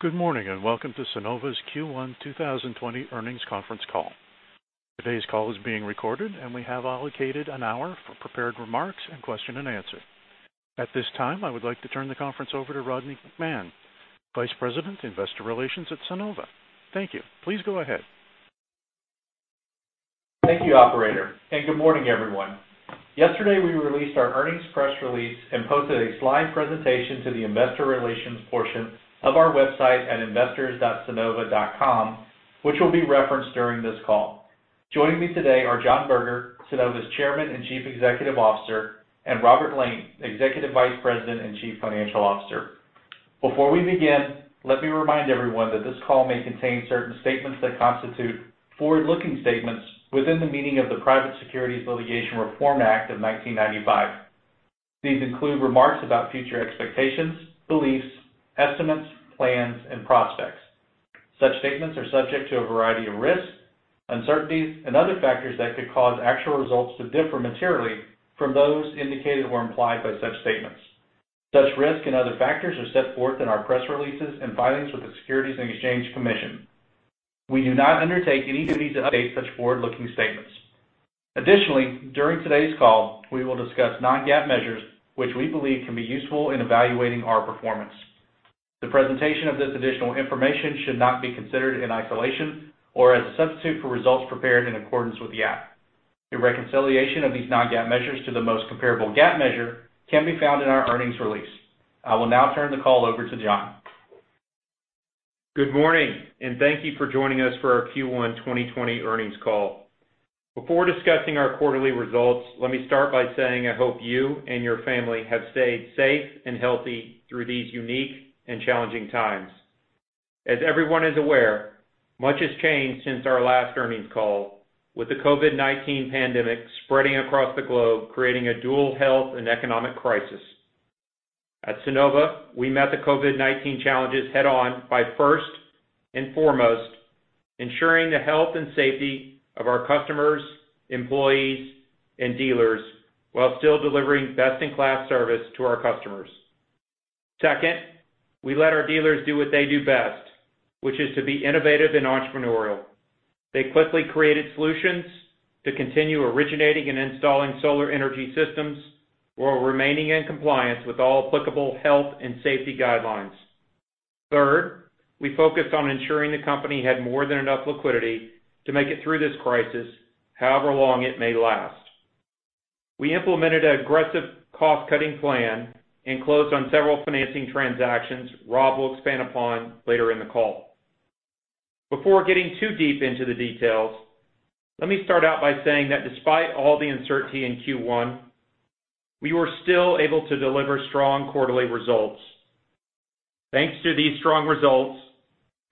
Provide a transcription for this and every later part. Good morning. Welcome to Sunnova's Q1 2020 earnings conference call. Today's call is being recorded, and we have allocated an hour for prepared remarks and question and answer. At this time, I would like to turn the conference over to Rodney McMahan, Vice President, Investor Relations at Sunnova. Thank you. Please go ahead. Thank you, operator, and good morning, everyone. Yesterday, we released our earnings press release and posted a slide presentation to the investor relations portion of our website at investors.sunnova.com, which will be referenced during this call. Joining me today are John Berger, Sunnova's Chairman and Chief Executive Officer, and Robert Lane, Executive Vice President and Chief Financial Officer. Before we begin, let me remind everyone that this call may contain certain statements that constitute forward-looking statements within the meaning of the Private Securities Litigation Reform Act of 1995. These include remarks about future expectations, beliefs, estimates, plans, and prospects. Such statements are subject to a variety of risks, uncertainties, and other factors that could cause actual results to differ materially from those indicated or implied by such statements. Such risk and other factors are set forth in our press releases and filings with the Securities and Exchange Commission. We do not undertake any duty to update such forward-looking statements. Additionally, during today's call, we will discuss non-GAAP measures which we believe can be useful in evaluating our performance. The presentation of this additional information should not be considered in isolation or as a substitute for results prepared in accordance with the GAAP. The reconciliation of these non-GAAP measures to the most comparable GAAP measure can be found in our earnings release. I will now turn the call over to John. Good morning, thank you for joining us for our Q1 2020 earnings call. Before discussing our quarterly results, let me start by saying I hope you and your family have stayed safe and healthy through these unique and challenging times. As everyone is aware, much has changed since our last earnings call, with the COVID-19 pandemic spreading across the globe, creating a dual health and economic crisis. At Sunnova, we met the COVID-19 challenges head-on by first and foremost ensuring the health and safety of our customers, employees, and dealers while still delivering best-in-class service to our customers. Second, we let our dealers do what they do best, which is to be innovative and entrepreneurial. They quickly created solutions to continue originating and installing solar energy systems while remaining in compliance with all applicable health and safety guidelines. We focused on ensuring the company had more than enough liquidity to make it through this crisis, however long it may last. We implemented an aggressive cost-cutting plan and closed on several financing transactions Rob will expand upon later in the call. Before getting too deep into the details, let me start out by saying that despite all the uncertainty in Q1, we were still able to deliver strong quarterly results. Thanks to these strong results,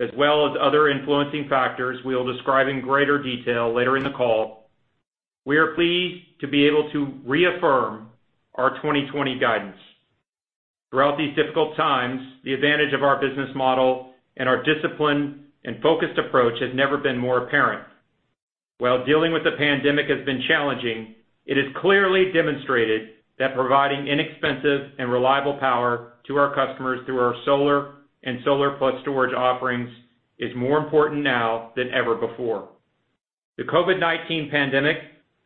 as well as other influencing factors we'll describe in greater detail later in the call, we are pleased to be able to reaffirm our 2020 guidance. Throughout these difficult times, the advantage of our business model and our discipline and focused approach has never been more apparent. While dealing with the pandemic has been challenging, it has clearly demonstrated that providing inexpensive and reliable power to our customers through our solar and solar-plus-storage offerings is more important now than ever before. The COVID-19 pandemic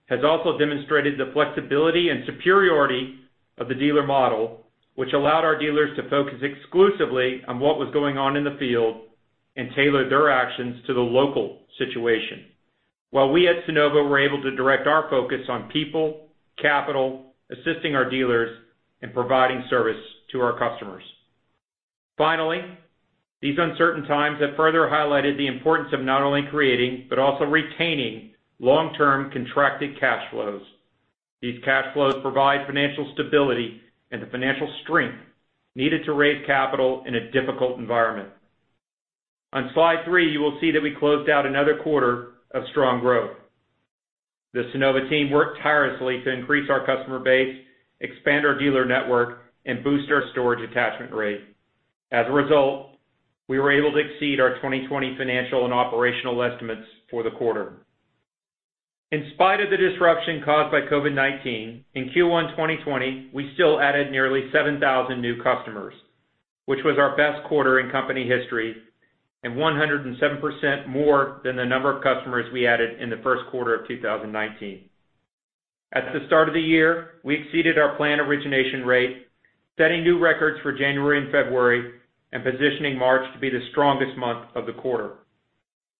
has also demonstrated the flexibility and superiority of the dealer model, which allowed our dealers to focus exclusively on what was going on in the field and tailor their actions to the local situation. While we at Sunnova were able to direct our focus on people, capital, assisting our dealers, and providing service to our customers. Finally, these uncertain times have further highlighted the importance of not only creating but also retaining long-term contracted cash flows. These cash flows provide financial stability and the financial strength needed to raise capital in a difficult environment. On slide three, you will see that we closed out another quarter of strong growth. The Sunnova team worked tirelessly to increase our customer base, expand our dealer network, and boost our storage attachment rate. As a result, we were able to exceed our 2020 financial and operational estimates for the quarter. In spite of the disruption caused by COVID-19, in Q1 2020, we still added nearly 7,000 new customers, which was our best quarter in company history and 107% more than the number of customers we added in the first quarter of 2019. At the start of the year, we exceeded our planned origination rate, setting new records for January and February and positioning March to be the strongest month of the quarter.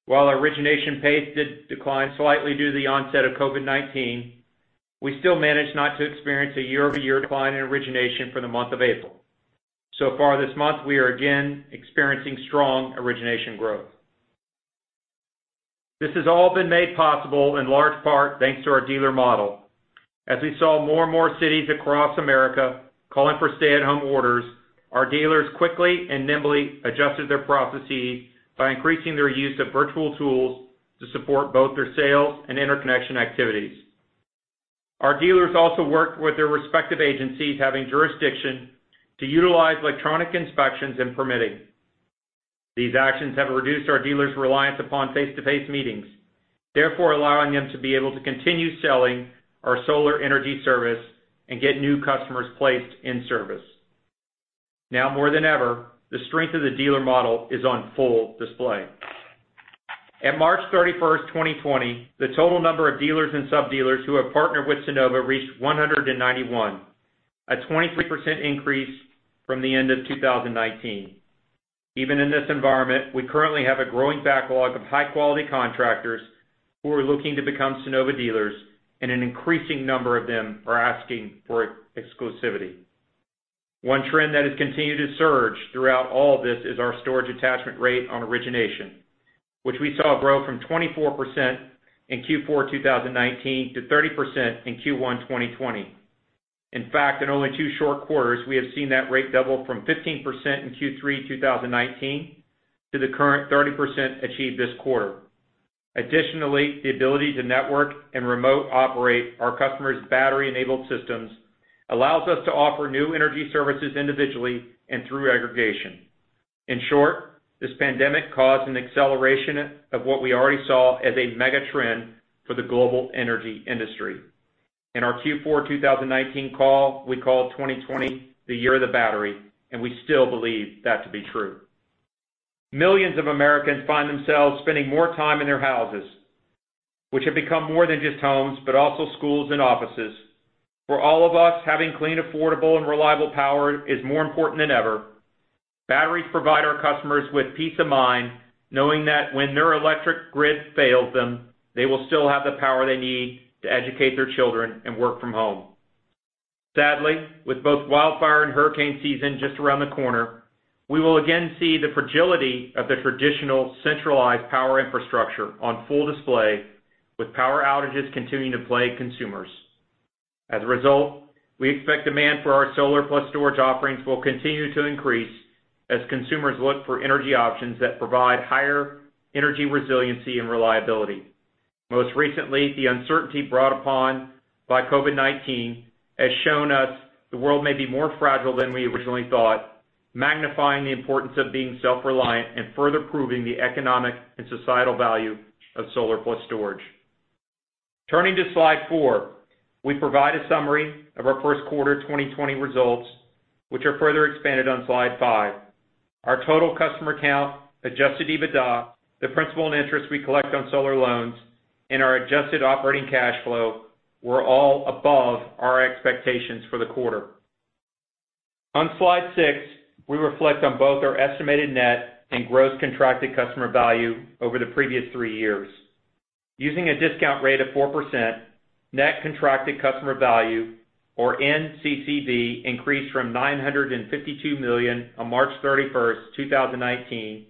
While our origination pace did decline slightly due to the onset of COVID-19, we still managed not to experience a year-over-year decline in origination for the month of April. Far this month, we are again experiencing strong origination growth. This has all been made possible in large part thanks to our dealer model. As we saw more and more cities across America calling for stay-at-home orders, our dealers quickly and nimbly adjusted their processes by increasing their use of virtual tools to support both their sales and interconnection activities. Our dealers also worked with their respective agencies having jurisdiction to utilize electronic inspections and permitting. These actions have reduced our dealers' reliance upon face-to-face meetings, therefore allowing them to be able to continue selling our solar energy service and get new customers placed in service. Now more than ever, the strength of the dealer model is on full display. At March 31st, 2020, the total number of dealers and sub-dealers who have partnered with Sunnova reached 191, a 23% increase from the end of 2019. Even in this environment, we currently have a growing backlog of high-quality contractors who are looking to become Sunnova dealers, and an increasing number of them are asking for exclusivity. One trend that has continued to surge throughout all this is our storage attachment rate on origination, which we saw grow from 24% in Q4 2019 to 30% in Q1 2020. In fact, in only two short quarters, we have seen that rate double from 15% in Q3 2019 to the current 30% achieved this quarter. Additionally, the ability to network and remote operate our customers' battery-enabled systems allows us to offer new energy services individually and through aggregation. In short, this pandemic caused an acceleration of what we already saw as a mega trend for the global energy industry. In our Q4 2019 call, we called 2020 the year of the battery, and we still believe that to be true. Millions of Americans find themselves spending more time in their houses, which have become more than just homes, but also schools and offices. For all of us, having clean, affordable, and reliable power is more important than ever. Batteries provide our customers with peace of mind, knowing that when their electric grid fails them, they will still have the power they need to educate their children and work from home. Sadly, with both wildfire and hurricane season just around the corner, we will again see the fragility of the traditional centralized power infrastructure on full display, with power outages continuing to plague consumers. As a result, we expect demand for our solar-plus-storage offerings will continue to increase as consumers look for energy options that provide higher energy resiliency and reliability. Most recently, the uncertainty brought upon by COVID-19 has shown us the world may be more fragile than we originally thought, magnifying the importance of being self-reliant and further proving the economic and societal value of solar-plus-storage. Turning to slide four, we provide a summary of our first quarter 2020 results, which are further expanded on slide five. Our total customer count, Adjusted EBITDA, the principal and interest we collect on solar loans, and our adjusted operating cash flow were all above our expectations for the quarter. On slide six, we reflect on both our estimated net and gross contracted customer value over the previous three years. Using a discount rate of 4%, Net Contracted Customer Value, or NCCV, increased from $952 million on March 31, 2019,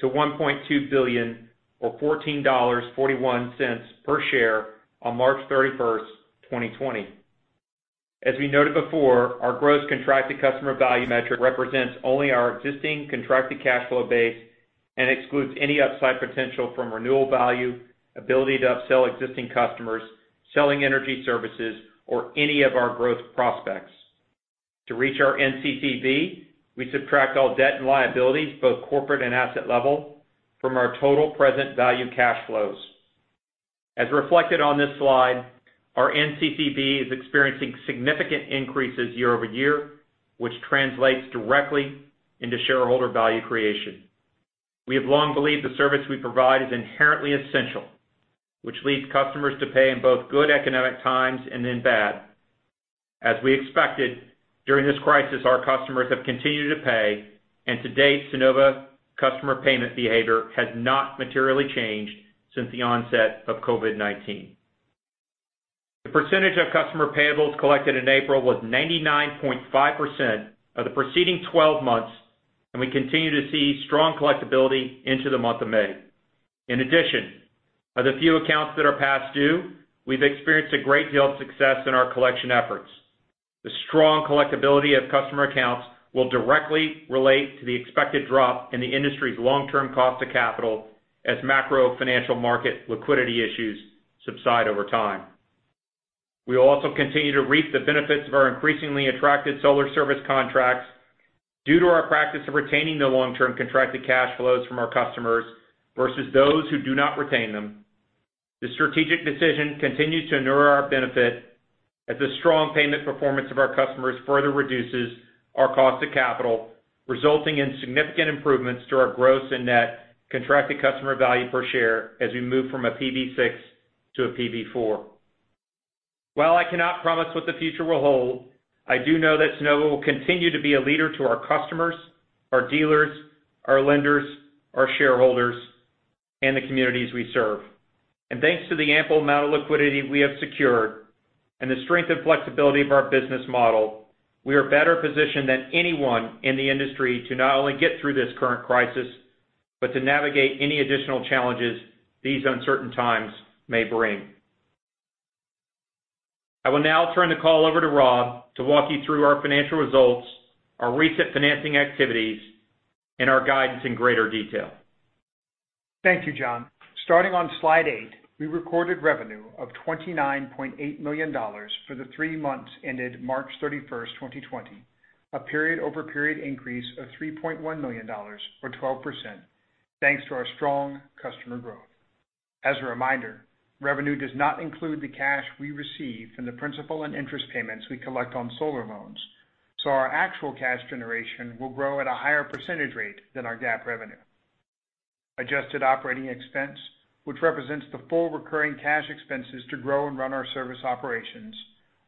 to $1.2 billion or $14.41 per share on March 31, 2020. As we noted before, our gross contracted customer value metric represents only our existing contracted cash flow base and excludes any upside potential from renewal value, ability to upsell existing customers, selling energy services, or any of our growth prospects. To reach our NCCV, we subtract all debt and liabilities, both corporate and asset level, from our total present value cash flows. As reflected on this slide, our NCCV is experiencing significant increases year-over-year, which translates directly into shareholder value creation. We have long believed the service we provide is inherently essential, which leads customers to pay in both good economic times and in bad. As we expected, during this crisis, our customers have continued to pay, to date, Sunnova customer payment behavior has not materially changed since the onset of COVID-19. The percentage of customer payables collected in April was 99.5% of the preceding 12 months. We continue to see strong collectability into the month of May. In addition, of the few accounts that are past due, we've experienced a great deal of success in our collection efforts. The strong collectability of customer accounts will directly relate to the expected drop in the industry's long-term cost of capital as macro financial market liquidity issues subside over time. We will also continue to reap the benefits of our increasingly attractive solar service contracts due to our practice of retaining the long-term contracted cash flows from our customers versus those who do not retain them. This strategic decision continues to inure our benefit as the strong payment performance of our customers further reduces our cost of capital, resulting in significant improvements to our gross and net contracted customer value per share as we move from a PV6 to a PV4. While I cannot promise what the future will hold, I do know that Sunnova will continue to be a leader to our customers, our dealers, our lenders, our shareholders, and the communities we serve. Thanks to the ample amount of liquidity we have secured and the strength and flexibility of our business model, we are better positioned than anyone in the industry to not only get through this current crisis, but to navigate any additional challenges these uncertain times may bring. I will now turn the call over to Rob to walk you through our financial results, our recent financing activities, and our guidance in greater detail. Thank you, John. Starting on slide eight, we recorded revenue of $29.8 million for the three months ended March 31st, 2020. A period-over-period increase of $3.1 million or 12%, thanks to our strong customer growth. As a reminder, revenue does not include the cash we receive from the principal and interest payments we collect on solar loans. Our actual cash generation will grow at a higher percentage rate than our GAAP revenue. Adjusted Operating Expense, which represents the full recurring cash expenses to grow and run our service operations,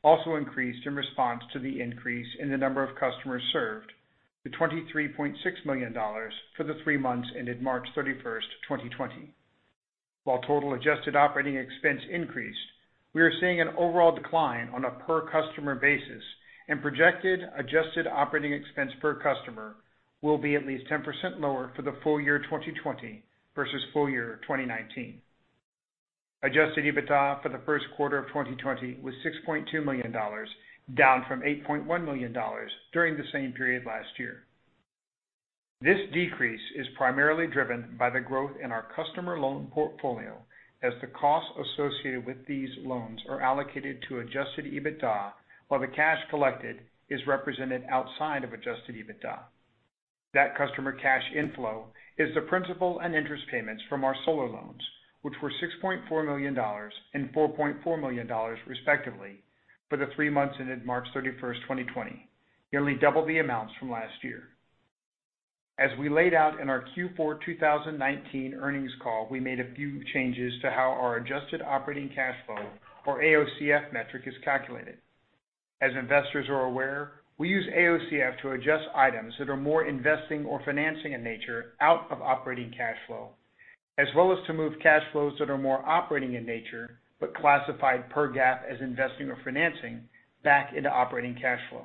also increased in response to the increase in the number of customers served to $23.6 million for the three months ended March 31st, 2020. While total Adjusted Operating Expense increased, we are seeing an overall decline on a per customer basis and projected Adjusted Operating Expense per customer will be at least 10% lower for the full year 2020 versus full year 2019. Adjusted EBITDA for the first quarter of 2020 was $6.2 million, down from $8.1 million during the same period last year. This decrease is primarily driven by the growth in our customer loan portfolio as the costs associated with these loans are allocated to Adjusted EBITDA, while the cash collected is represented outside of Adjusted EBITDA. That customer cash inflow is the principal and interest payments from our solar loans, which were $6.4 million and $4.4 million respectively for the three months ended March 31st, 2020, nearly double the amounts from last year. As we laid out in our Q4 2019 earnings call, we made a few changes to how our adjusted operating cash flow or AOCF metric is calculated. As investors are aware, we use AOCF to adjust items that are more investing or financing in nature out of operating cash flow, as well as to move cash flows that are more operating in nature, but classified per GAAP as investing or financing back into operating cash flow.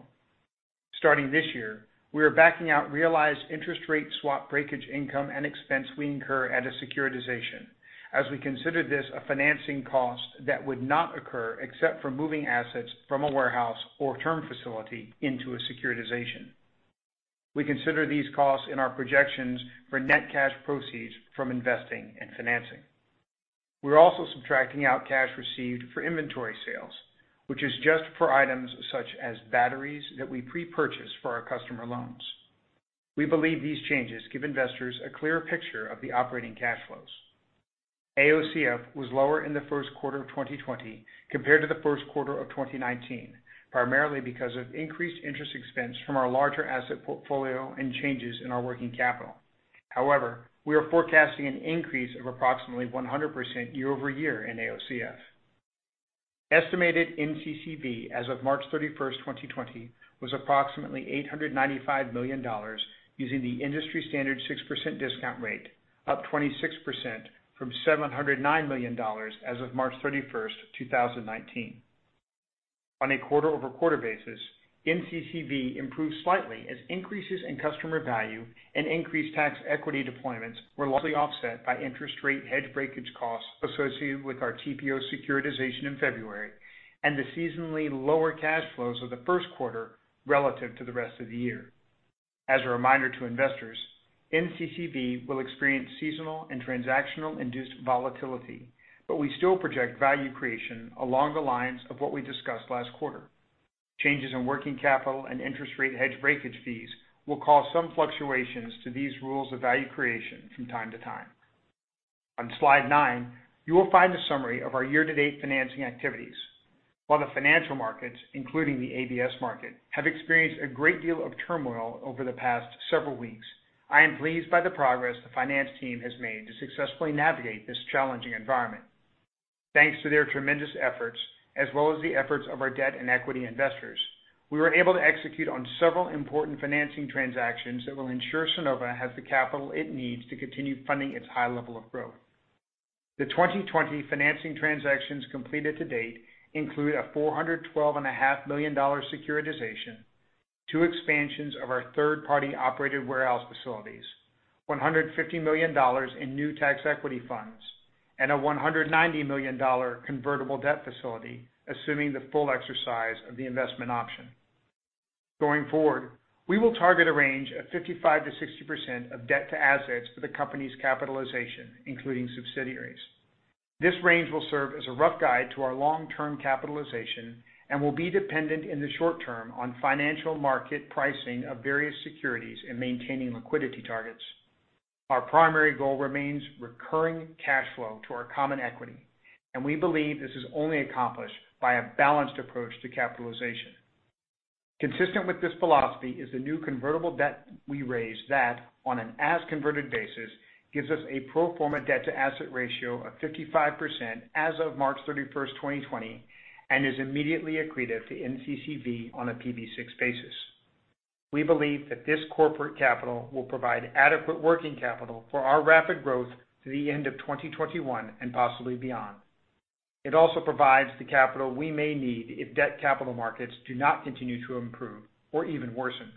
Starting this year, we are backing out realized interest rate swap breakage income and expense we incur at a securitization. As we consider this a financing cost that would not occur except for moving assets from a warehouse or term facility into a securitization. We consider these costs in our projections for net cash proceeds from investing and financing. We're also subtracting out cash received for inventory sales, which is just for items such as batteries that we pre-purchase for our customer loans. We believe these changes give investors a clearer picture of the operating cash flows. AOCF was lower in the first quarter of 2020 compared to the first quarter of 2019, primarily because of increased interest expense from our larger asset portfolio and changes in our working capital. However, we are forecasting an increase of approximately 100% year-over-year in AOCF. Estimated NCCV as of March 31st, 2020, was approximately $895 million using the industry standard 6% discount rate, up 26% from $709 million as of March 31st, 2019. On a quarter-over-quarter basis, NCCV improved slightly as increases in customer value and increased tax equity deployments were largely offset by interest rate hedge breakage costs associated with our TPO securitization in February and the seasonally lower cash flows of the first quarter relative to the rest of the year. As a reminder to investors, NCCV will experience seasonal and transactional induced volatility, but we still project value creation along the lines of what we discussed last quarter. Changes in working capital and interest rate hedge breakage fees will cause some fluctuations to these rules of value creation from time to time. On slide nine, you will find a summary of our year-to-date financing activities. While the financial markets, including the ABS market, have experienced a great deal of turmoil over the past several weeks, I am pleased by the progress the finance team has made to successfully navigate this challenging environment. Thanks to their tremendous efforts, as well as the efforts of our debt and equity investors, we were able to execute on several important financing transactions that will ensure Sunnova has the capital it needs to continue funding its high level of growth. The 2020 financing transactions completed to date include a $412.5 million securitization, two expansions of our third party operated warehouse facilities, $150 million in new tax equity funds, and a $190 million convertible debt facility, assuming the full exercise of the investment option. Going forward, we will target a range of 55%-60% of debt to assets for the company's capitalization, including subsidiaries. This range will serve as a rough guide to our long-term capitalization and will be dependent in the short term on financial market pricing of various securities and maintaining liquidity targets. Our primary goal remains recurring cash flow to our common equity, and we believe this is only accomplished by a balanced approach to capitalization. Consistent with this philosophy is the new convertible debt we raised that, on an as converted basis, gives us a pro forma debt to asset ratio of 55% as of March 31, 2020, and is immediately accretive to NCCV on a PV6 basis. We believe that this corporate capital will provide adequate working capital for our rapid growth through the end of 2021 and possibly beyond. It also provides the capital we may need if debt capital markets do not continue to improve or even worsen.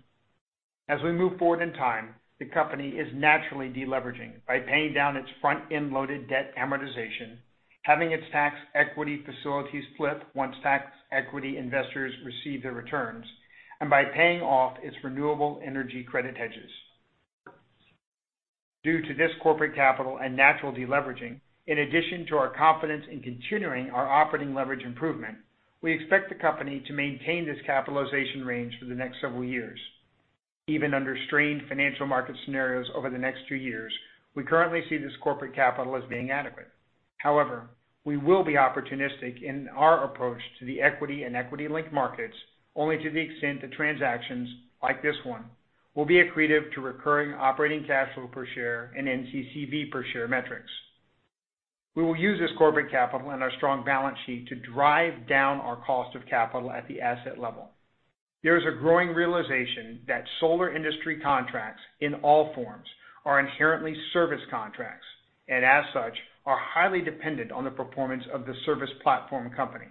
As we move forward in time, the company is naturally de-leveraging by paying down its front-end loaded debt amortization, having its tax equity facilities flip once tax equity investors receive their returns, and by paying off its renewable energy credit hedges. Due to this corporate capital and natural deleveraging, in addition to our confidence in continuing our operating leverage improvement, we expect the company to maintain this capitalization range for the next several years. Even under strained financial market scenarios over the next two years, we currently see this corporate capital as being adequate. However, we will be opportunistic in our approach to the equity and equity-linked markets, only to the extent that transactions, like this one, will be accretive to recurring operating cash flow per share and NCCV per share metrics. We will use this corporate capital and our strong balance sheet to drive down our cost of capital at the asset level. There is a growing realization that solar industry contracts in all forms are inherently service contracts, and as such, are highly dependent on the performance of the service platform company.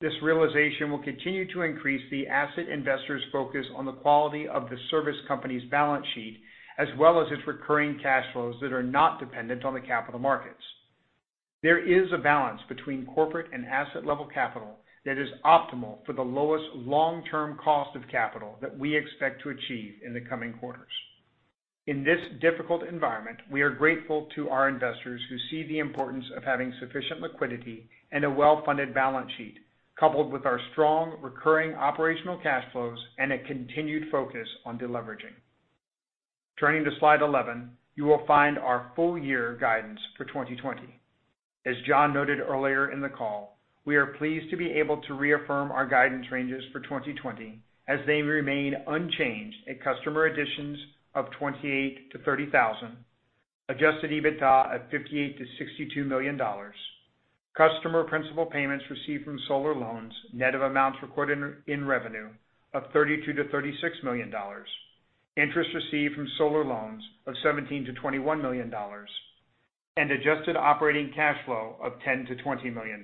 This realization will continue to increase the asset investors' focus on the quality of the service company's balance sheet, as well as its recurring cash flows that are not dependent on the capital markets. There is a balance between corporate and asset-level capital that is optimal for the lowest long-term cost of capital that we expect to achieve in the coming quarters. In this difficult environment, we are grateful to our investors who see the importance of having sufficient liquidity and a well-funded balance sheet, coupled with our strong recurring operational cash flows and a continued focus on deleveraging. Turning to slide 11, you will find our full year guidance for 2020. As John noted earlier in the call, we are pleased to be able to reaffirm our guidance ranges for 2020 as they remain unchanged at customer additions of 28,000-30,000; Adjusted EBITDA at $58 million-$62 million; customer principal payments received from solar loans, net of amounts recorded in revenue of $32 million-$36 million; interest received from solar loans of $17 million-$21 million and Adjusted operating cash flow of $10 million-$20 million.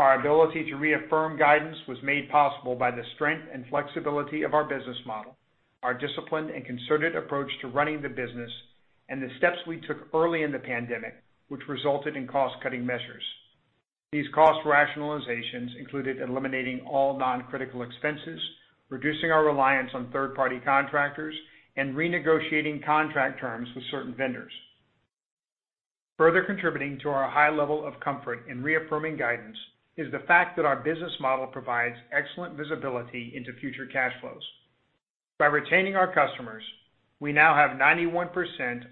Our ability to reaffirm guidance was made possible by the strength and flexibility of our business model, our disciplined and concerted approach to running the business, and the steps we took early in the pandemic, which resulted in cost-cutting measures. These cost rationalizations included eliminating all non-critical expenses, reducing our reliance on third-party contractors, and renegotiating contract terms with certain vendors. Further contributing to our high level of comfort in reaffirming guidance is the fact that our business model provides excellent visibility into future cash flows. By retaining our customers, we now have 91%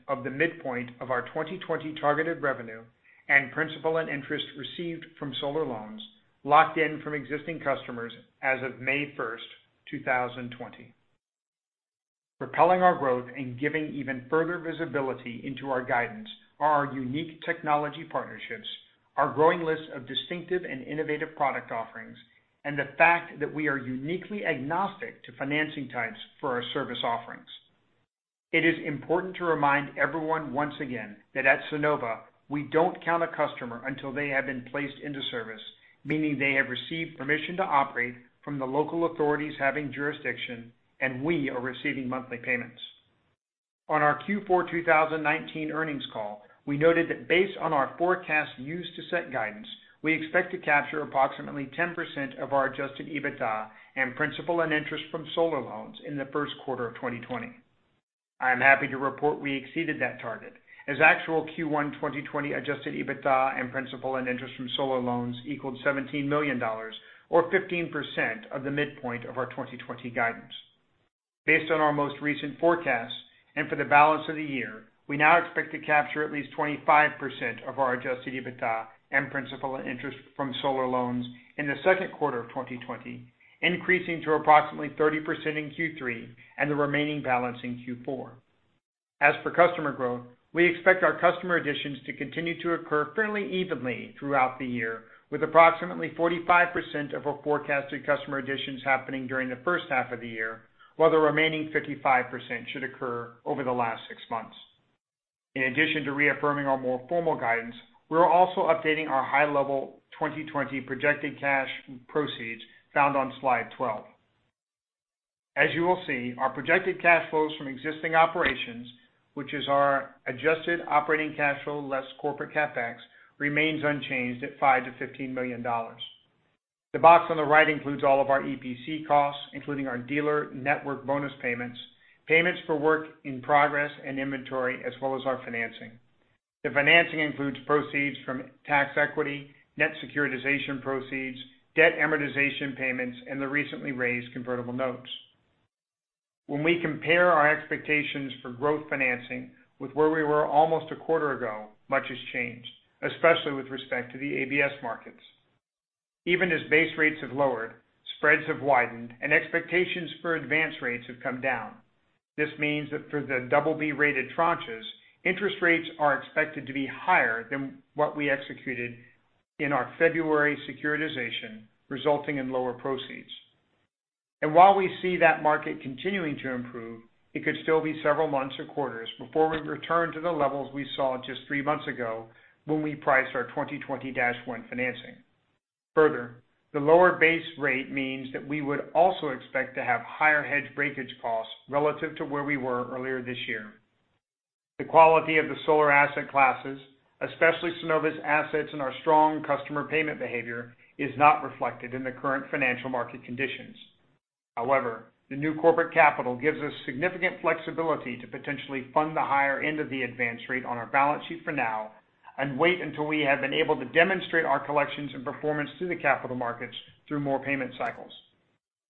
of the midpoint of our 2020 targeted revenue and principal and interest received from solar loans locked in from existing customers as of May 1st, 2020. Propelling our growth and giving even further visibility into our guidance are our unique technology partnerships, our growing list of distinctive and innovative product offerings, and the fact that we are uniquely agnostic to financing types for our service offerings. It is important to remind everyone once again that at Sunnova, we don't count a customer until they have been placed into service, meaning they have received permission to operate from the local authorities having jurisdiction, and we are receiving monthly payments. On our Q4 2019 earnings call, we noted that based on our forecast used to set guidance, we expect to capture approximately 10% of our Adjusted EBITDA and principal and interest from solar loans in the first quarter of 2020. I am happy to report we exceeded that target, as actual Q1 2020 Adjusted EBITDA and principal and interest from solar loans equaled $17 million or 15% of the midpoint of our 2020 guidance. Based on our most recent forecast and for the balance of the year, we now expect to capture at least 25% of our Adjusted EBITDA and principal and interest from solar loans in the second quarter of 2020, increasing to approximately 30% in Q3 and the remaining balance in Q4. As for customer growth, we expect our customer additions to continue to occur fairly evenly throughout the year, with approximately 45% of our forecasted customer additions happening during the first half of the year, while the remaining 55% should occur over the last six months. In addition to reaffirming our more formal guidance, we are also updating our high-level 2020 projected cash proceeds found on slide 12. As you will see, our projected cash flows from existing operations, which is our adjusted operating cash flow less corporate CapEx, remains unchanged at $5 million-$15 million. The box on the right includes all of our EPC costs, including our dealer network bonus payments for work in progress and inventory, as well as our financing. The financing includes proceeds from tax equity, net securitization proceeds, debt amortization payments, and the recently raised convertible notes. When we compare our expectations for growth financing with where we were almost a quarter ago, much has changed, especially with respect to the ABS markets. Even as base rates have lowered, spreads have widened, and expectations for advance rates have come down. This means that for the BB-rated tranches, interest rates are expected to be higher than what we executed in our February securitization, resulting in lower proceeds. While we see that market continuing to improve, it could still be several months or quarters before we return to the levels we saw just three months ago when we priced our 2020-1 financing. The lower base rate means that we would also expect to have higher hedge breakage costs relative to where we were earlier this year. The quality of the solar asset classes, especially Sunnova's assets, and our strong customer payment behavior, is not reflected in the current financial market conditions. The new corporate capital gives us significant flexibility to potentially fund the higher end of the advance rate on our balance sheet for now, and wait until we have been able to demonstrate our collections and performance to the capital markets through more payment cycles.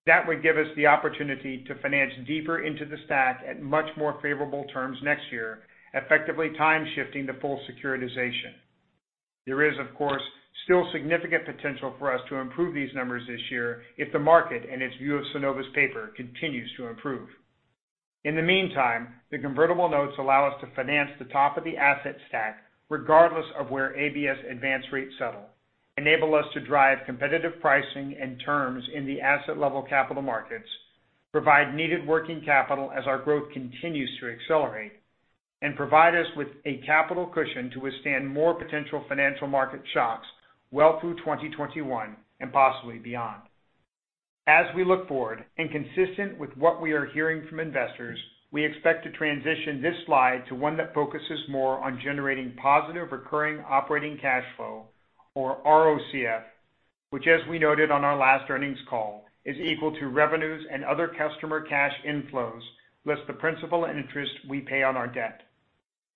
That would give us the opportunity to finance deeper into the stack at much more favorable terms next year, effectively time-shifting the full securitization. There is, of course, still significant potential for us to improve these numbers this year if the market and its view of Sunnova's paper continues to improve. In the meantime, the convertible notes allow us to finance the top of the asset stack regardless of where ABS advance rates settle, enable us to drive competitive pricing and terms in the asset level capital markets, provide needed working capital as our growth continues to accelerate, and provide us with a capital cushion to withstand more potential financial market shocks well through 2021 and possibly beyond. As we look forward, and consistent with what we are hearing from investors, we expect to transition this slide to one that focuses more on generating positive recurring operating cash flow, or ROCF, which as we noted on our last earnings call, is equal to revenues and other customer cash inflows less the principal and interest we pay on our debt.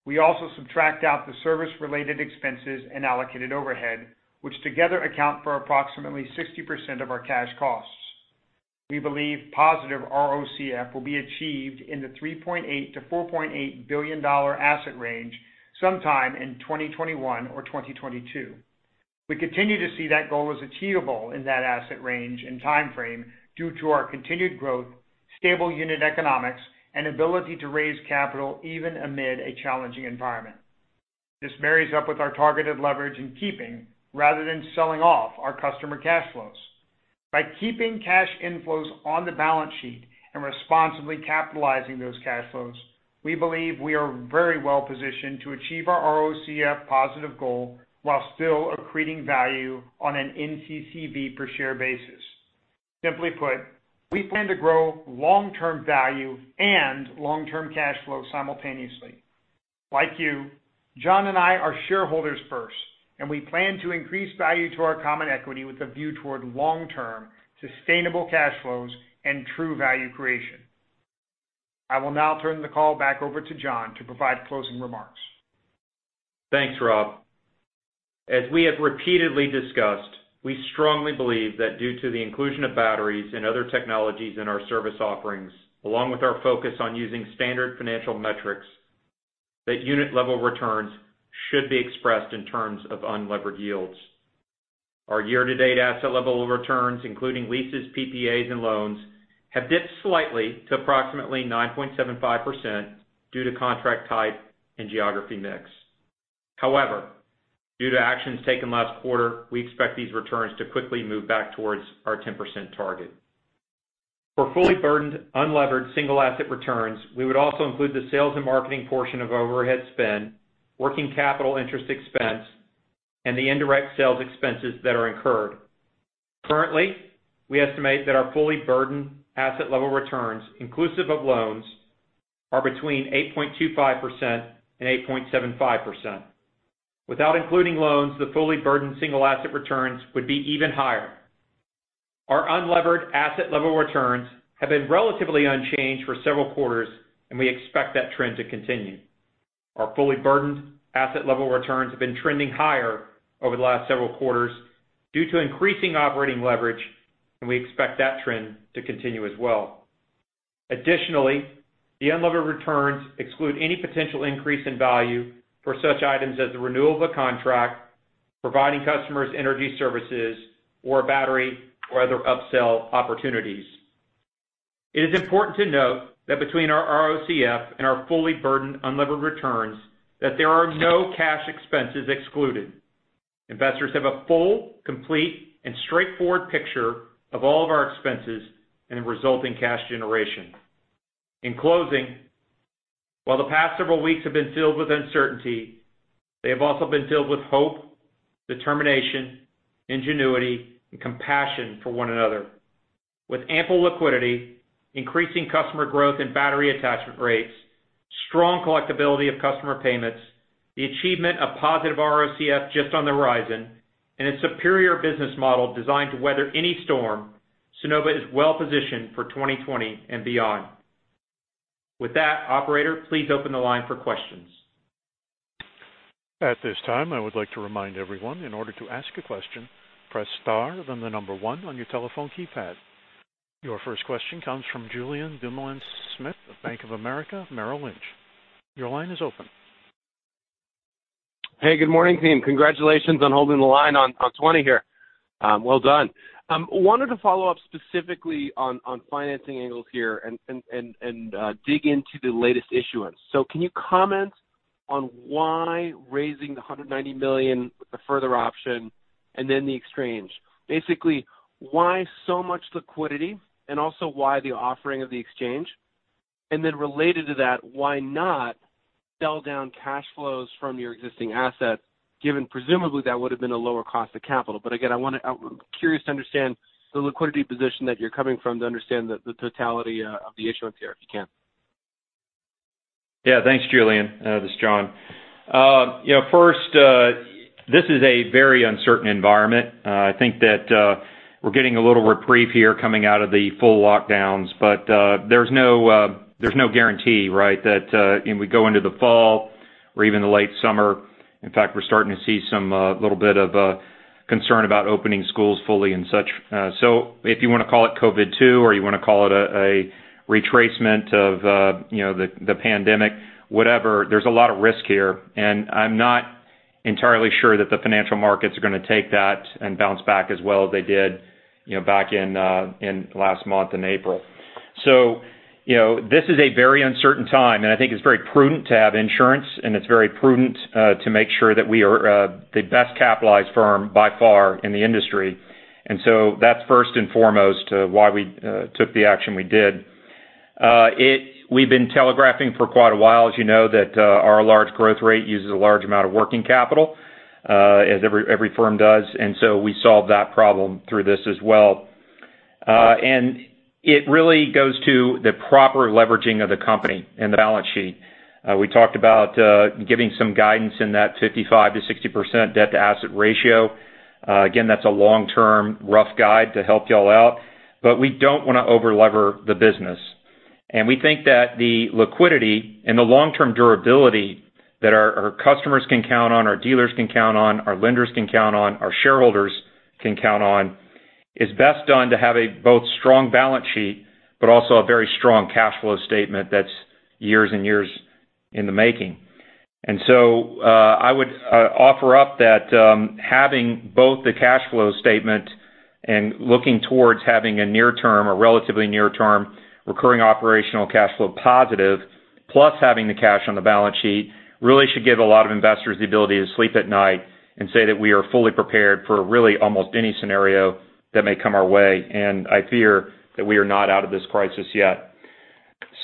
We also subtract out the service-related expenses and allocated overhead, which together account for approximately 60% of our cash costs. We believe positive ROCF will be achieved in the $3.8 billion-$4.8 billion asset range sometime in 2021 or 2022. We continue to see that goal as achievable in that asset range and timeframe due to our continued growth, stable unit economics, and ability to raise capital even amid a challenging environment. This marries up with our targeted leverage in keeping rather than selling off our customer cash flows. By keeping cash inflows on the balance sheet and responsibly capitalizing those cash flows, we believe we are very well-positioned to achieve our ROCF positive goal while still accreting value on an NCCV per share basis. Simply put, we plan to grow long-term value and long-term cash flow simultaneously. Like you, John and I are shareholders first, and we plan to increase value to our common equity with a view toward long-term sustainable cash flows and true value creation. I will now turn the call back over to John to provide closing remarks. Thanks, Rob. As we have repeatedly discussed, we strongly believe that due to the inclusion of batteries and other technologies in our service offerings, along with our focus on using standard financial metrics, that unit level returns should be expressed in terms of unlevered yields. Our year-to-date asset level returns, including leases, PPAs, and loans, have dipped slightly to approximately 9.75% due to contract type and geography mix. However, due to actions taken last quarter, we expect these returns to quickly move back towards our 10% target. For fully burdened, unlevered single asset returns, we would also include the sales and marketing portion of overhead spend, working capital interest expense, and the indirect sales expenses that are incurred. Currently, we estimate that our fully burdened asset level returns, inclusive of loans, are between 8.25% and 8.75%. Without including loans, the fully burdened single asset returns would be even higher. Our unlevered asset level returns have been relatively unchanged for several quarters, and we expect that trend to continue. Our fully burdened asset level returns have been trending higher over the last several quarters due to increasing operating leverage, and we expect that trend to continue as well. Additionally, the unlevered returns exclude any potential increase in value for such items as the renewal of a contract, providing customers energy services or battery or other upsell opportunities. It is important to note that between our ROCF and our fully burdened unlevered returns that there are no cash expenses excluded. Investors have a full, complete, and straightforward picture of all of our expenses and the resulting cash generation. In closing, while the past several weeks have been filled with uncertainty, they have also been filled with hope, determination, ingenuity, and compassion for one another. With ample liquidity, increasing customer growth and battery attachment rates, strong collectibility of customer payments, the achievement of positive ROCF just on the horizon, and a superior business model designed to weather any storm, Sunnova is well-positioned for 2020 and beyond. With that, operator, please open the line for questions. At this time, I would like to remind everyone, in order to ask a question, press star then the number one on your telephone keypad. Your first question comes from Julien Dumoulin-Smith of Bank of America Merrill Lynch. Your line is open. Hey, good morning, team. Congratulations on holding the line on 20 here. Well done. Wanted to follow up specifically on financing angles here and dig into the latest issuance. Can you comment on why raising the $190 million with the further option and then the exchange? Basically, why so much liquidity and also why the offering of the exchange? Related to that, why not sell down cash flows from your existing assets, given presumably that would have been a lower cost of capital. Again, I'm curious to understand the liquidity position that you're coming from to understand the totality of the issuance here, if you can. Yeah. Thanks, Julien. This is John. This is a very uncertain environment. I think that we're getting a little reprieve here coming out of the full lockdowns, but there's no guarantee, right? We go into the fall or even the late summer. In fact, we're starting to see a little bit of concern about opening schools fully and such. If you want to call it COVID-2, or you want to call it a retracement of the pandemic, whatever, there's a lot of risk here. I'm not entirely sure that the financial markets are going to take that and bounce back as well as they did back in last month in April. This is a very uncertain time, and I think it's very prudent to have insurance, and it's very prudent to make sure that we are the best capitalized firm by far in the industry. That's first and foremost why we took the action we did. We've been telegraphing for quite a while, as you know, that our large growth rate uses a large amount of working capital, as every firm does. We solved that problem through this as well. It really goes to the proper leveraging of the company and the balance sheet. We talked about giving some guidance in that 55%-60% debt-to-asset ratio. Again, that's a long-term rough guide to help you all out. We don't want to over-lever the business. We think that the liquidity and the long-term durability that our customers can count on, our dealers can count on, our lenders can count on, our shareholders can count on, is best done to have a both strong balance sheet, but also a very strong cash flow statement that's years and years in the making. I would offer up that having both the cash flow statement and looking towards having a near term, a relatively near term, recurring operational cash flow positive, plus having the cash on the balance sheet, really should give a lot of investors the ability to sleep at night and say that we are fully prepared for really almost any scenario that may come our way. I fear that we are not out of this crisis yet.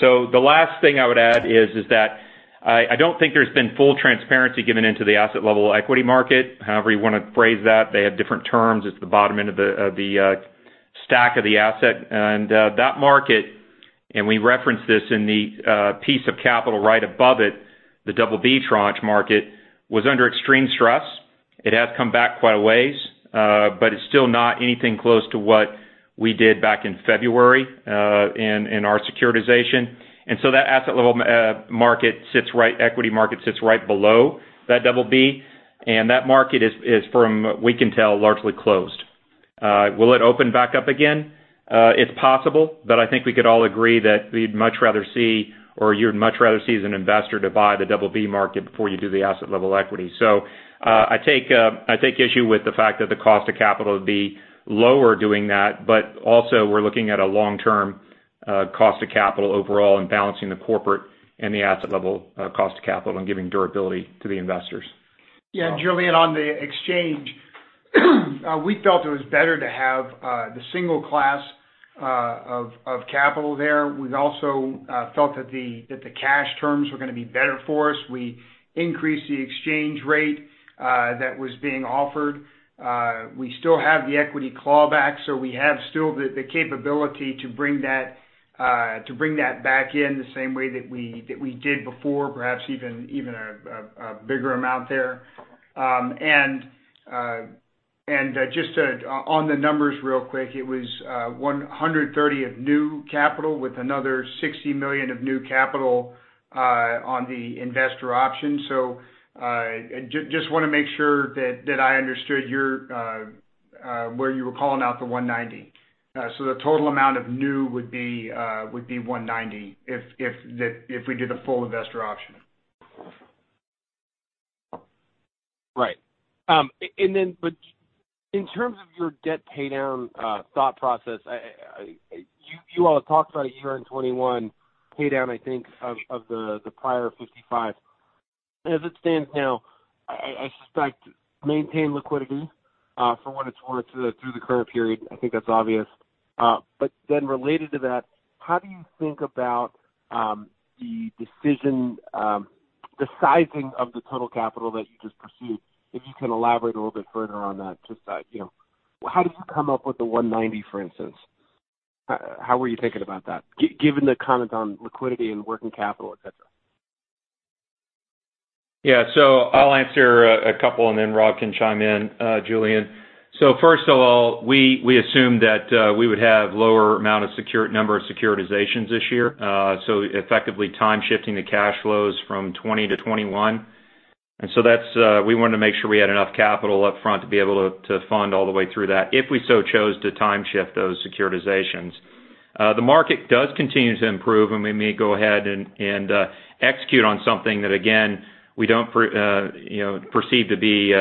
The last thing I would add is that I don't think there's been full transparency given into the asset level equity market, however you want to phrase that. They have different terms. It's the bottom end of the stack of the asset. That market, and we referenced this in the piece of capital right above it, the BB tranche market, was under extreme stress. It has come back quite a ways, but it's still not anything close to what we did back in February in our securitization. That asset level equity market sits right below that BB, and that market is, from what we can tell, largely closed. Will it open back up again? It's possible, but I think we could all agree that we'd much rather see, or you'd much rather see as an investor, to buy the BB market before you do the asset level equity. I take issue with the fact that the cost of capital would be lower doing that, but also we're looking at a long-term cost of capital overall and balancing the corporate and the asset level cost of capital and giving durability to the investors. Yeah. Julien, on the exchange, we felt it was better to have the single class of capital there. We also felt that the cash terms were going to be better for us. We increased the exchange rate that was being offered. We still have the equity clawback, so we have still the capability to bring that back in the same way that we did before, perhaps even a bigger amount there. Just on the numbers real quick, it was $130 of new capital with another $60 million of new capital on the investor option. Just want to make sure that I understood where you were calling out the $190. The total amount of new would be $190 if we did a full investor option. Right. In terms of your debt paydown thought process, you all talked about a year-end 2021 paydown, I think, of the prior $55. As it stands now, I suspect maintain liquidity for what it's worth through the current period. I think that's obvious. Related to that, how do you think about the sizing of the total capital that you just pursued? If you can elaborate a little bit further on that. Just how did you come up with the $190, for instance? How were you thinking about that, given the comment on liquidity and working capital, et cetera? I'll answer a couple and then Rob can chime in, Julien. First of all, we assumed that we would have lower number of securitizations this year. Effectively time shifting the cash flows from 2020 to 2021. We wanted to make sure we had enough capital up front to be able to fund all the way through that if we so chose to time shift those securitizations. The market does continue to improve, and we may go ahead and execute on something that, again, we don't perceive to be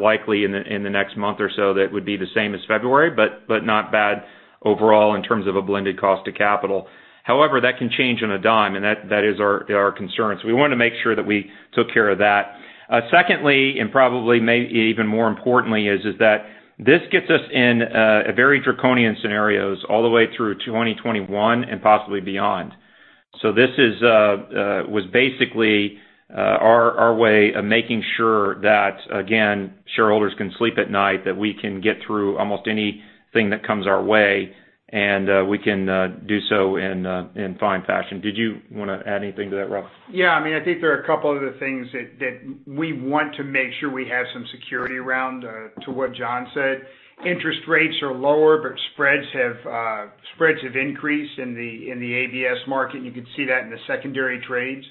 likely in the next month or so that would be the same as February, but not bad overall in terms of a blended cost of capital. However, that can change on a dime, and that is our concern. We want to make sure that we took care of that. Secondly, probably maybe even more importantly, is that this gets us in very draconian scenarios all the way through 2021 and possibly beyond. This was basically our way of making sure that, again, shareholders can sleep at night, that we can get through almost anything that comes our way, and we can do so in fine fashion. Did you want to add anything to that, Rob? Yeah. I think there are a couple other things that we want to make sure we have some security around to what John said. Interest rates are lower, but spreads have increased in the ABS market. You can see that in the secondary trades.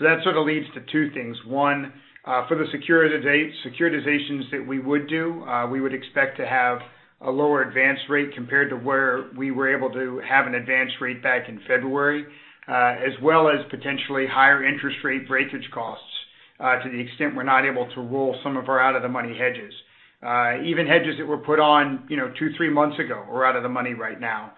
That sort of leads to two things. One, for the securitizations that we would do, we would expect to have a lower advance rate compared to where we were able to have an advance rate back in February, as well as potentially higher interest rate breakage costs to the extent we're not able to roll some of our out-of-the-money hedges. Even hedges that were put on two, three months ago are out of the money right now.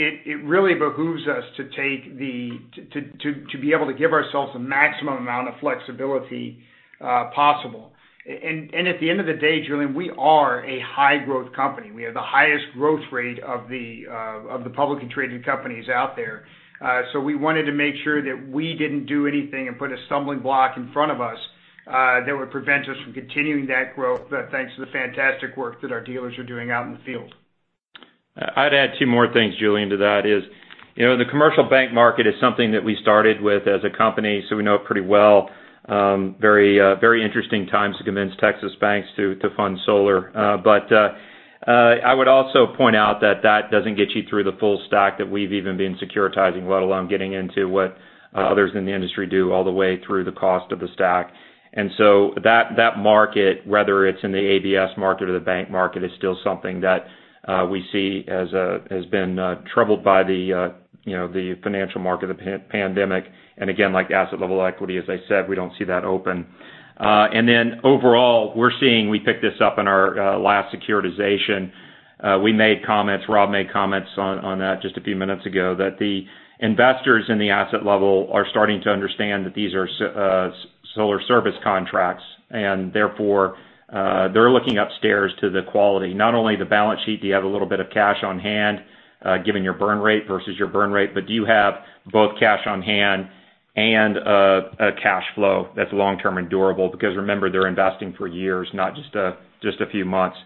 It really behooves us to be able to give ourselves the maximum amount of flexibility possible. At the end of the day, Julien, we are a high-growth company. We have the highest growth rate of the publicly traded companies out there. We wanted to make sure that we didn't do anything and put a stumbling block in front of us that would prevent us from continuing that growth, thanks to the fantastic work that our dealers are doing out in the field. I'd add two more things, Julien, to that is, the commercial bank market is something that we started with as a company, so we know it pretty well. Very interesting times to convince Texas banks to fund solar. I would also point out that that doesn't get you through the full stack that we've even been securitizing, let alone getting into what others in the industry do all the way through the cost of the stack. That market, whether it's in the ABS market or the bank market, is still something that we see has been troubled by the financial market, the pandemic. Again, like asset level equity, as I said, we don't see that open. Overall, we're seeing we picked this up in our last securitization. We made comments, Rob made comments on that just a few minutes ago, that the investors in the asset level are starting to understand that these are solar service contracts, and therefore, they're looking upstairs to the quality. Not only the balance sheet, do you have a little bit of cash on hand given your burn rate versus your burn rate, but do you have both cash on hand and a cash flow that's long-term and durable? Because remember, they're investing for years, not just a few months.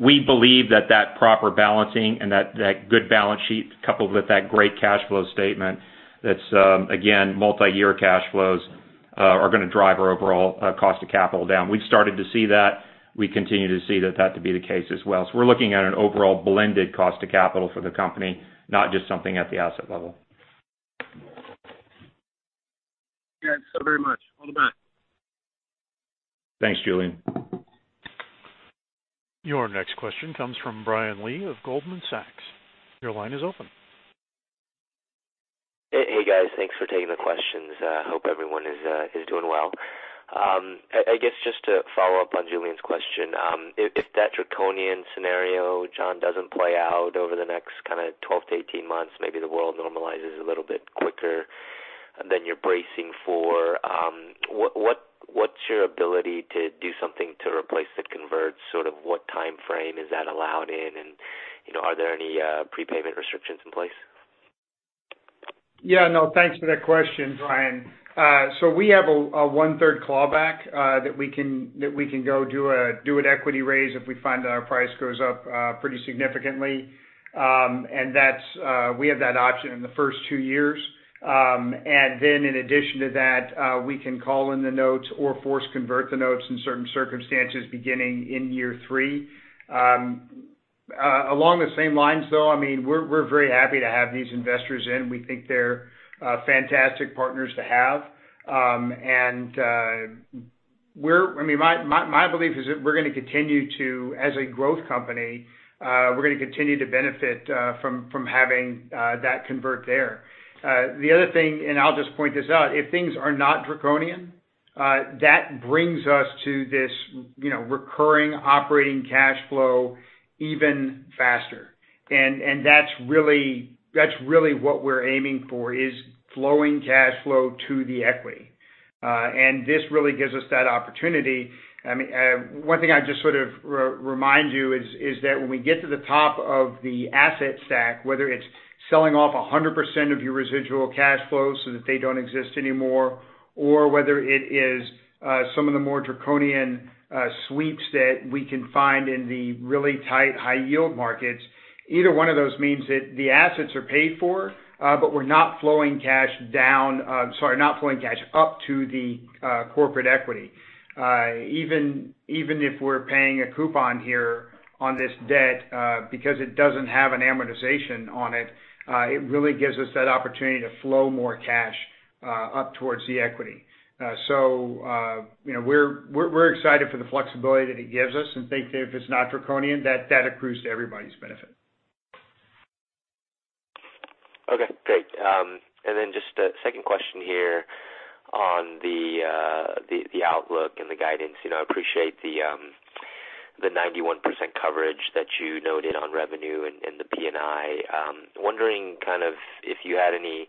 We believe that that proper balancing and that good balance sheet coupled with that great cash flow statement, that's again, multi-year cash flows are going to drive our overall cost of capital down. We've started to see that. We continue to see that to be the case as well. We're looking at an overall blended cost of capital for the company, not just something at the asset level. Yeah. Thank you so very much. All the best. Thanks, Julien. Your next question comes from Brian Lee of Goldman Sachs. Your line is open. Hey, guys. Thanks for taking the questions. Hope everyone is doing well. I guess just to follow up on Julien's question. If that draconian scenario, John, doesn't play out over the next kind of 12 to 18 months, maybe the world normalizes a little bit quicker than you're bracing for, what's your ability to do something to replace the converts? Sort of what timeframe is that allowed in? Are there any prepayment restrictions in place? Yeah, no, thanks for that question, Brian. We have a one-third clawback that we can go do an equity raise if we find that our price goes up pretty significantly. We have that option in the first two years. In addition to that, we can call in the notes or force convert the notes in certain circumstances beginning in year three. Along the same lines, though, we're very happy to have these investors in. We think they're fantastic partners to have. My belief is that we're going to continue to, as a growth company, we're going to continue to benefit from having that convert there. The other thing, I'll just point this out, if things are not draconian, that brings us to this recurring operating cash flow even faster. That's really what we're aiming for is flowing cash flow to the equity. This really gives us that opportunity. One thing I'd just sort of remind you is that when we get to the top of the asset stack, whether it's selling off 100% of your residual cash flows so that they don't exist anymore, or whether it is some of the more draconian sweeps that we can find in the really tight high-yield markets. Either one of those means that the assets are paid for, but we're not flowing cash up to the corporate equity. Even if we're paying a coupon here on this debt because it doesn't have an amortization on it really gives us that opportunity to flow more cash up towards the equity. We're excited for the flexibility that it gives us and think that if it's not draconian, that accrues to everybody's benefit. Great. Just a second question here on the outlook and the guidance. I appreciate the 91% coverage that you noted on revenue and the P&I. I'm wondering kind of if you had any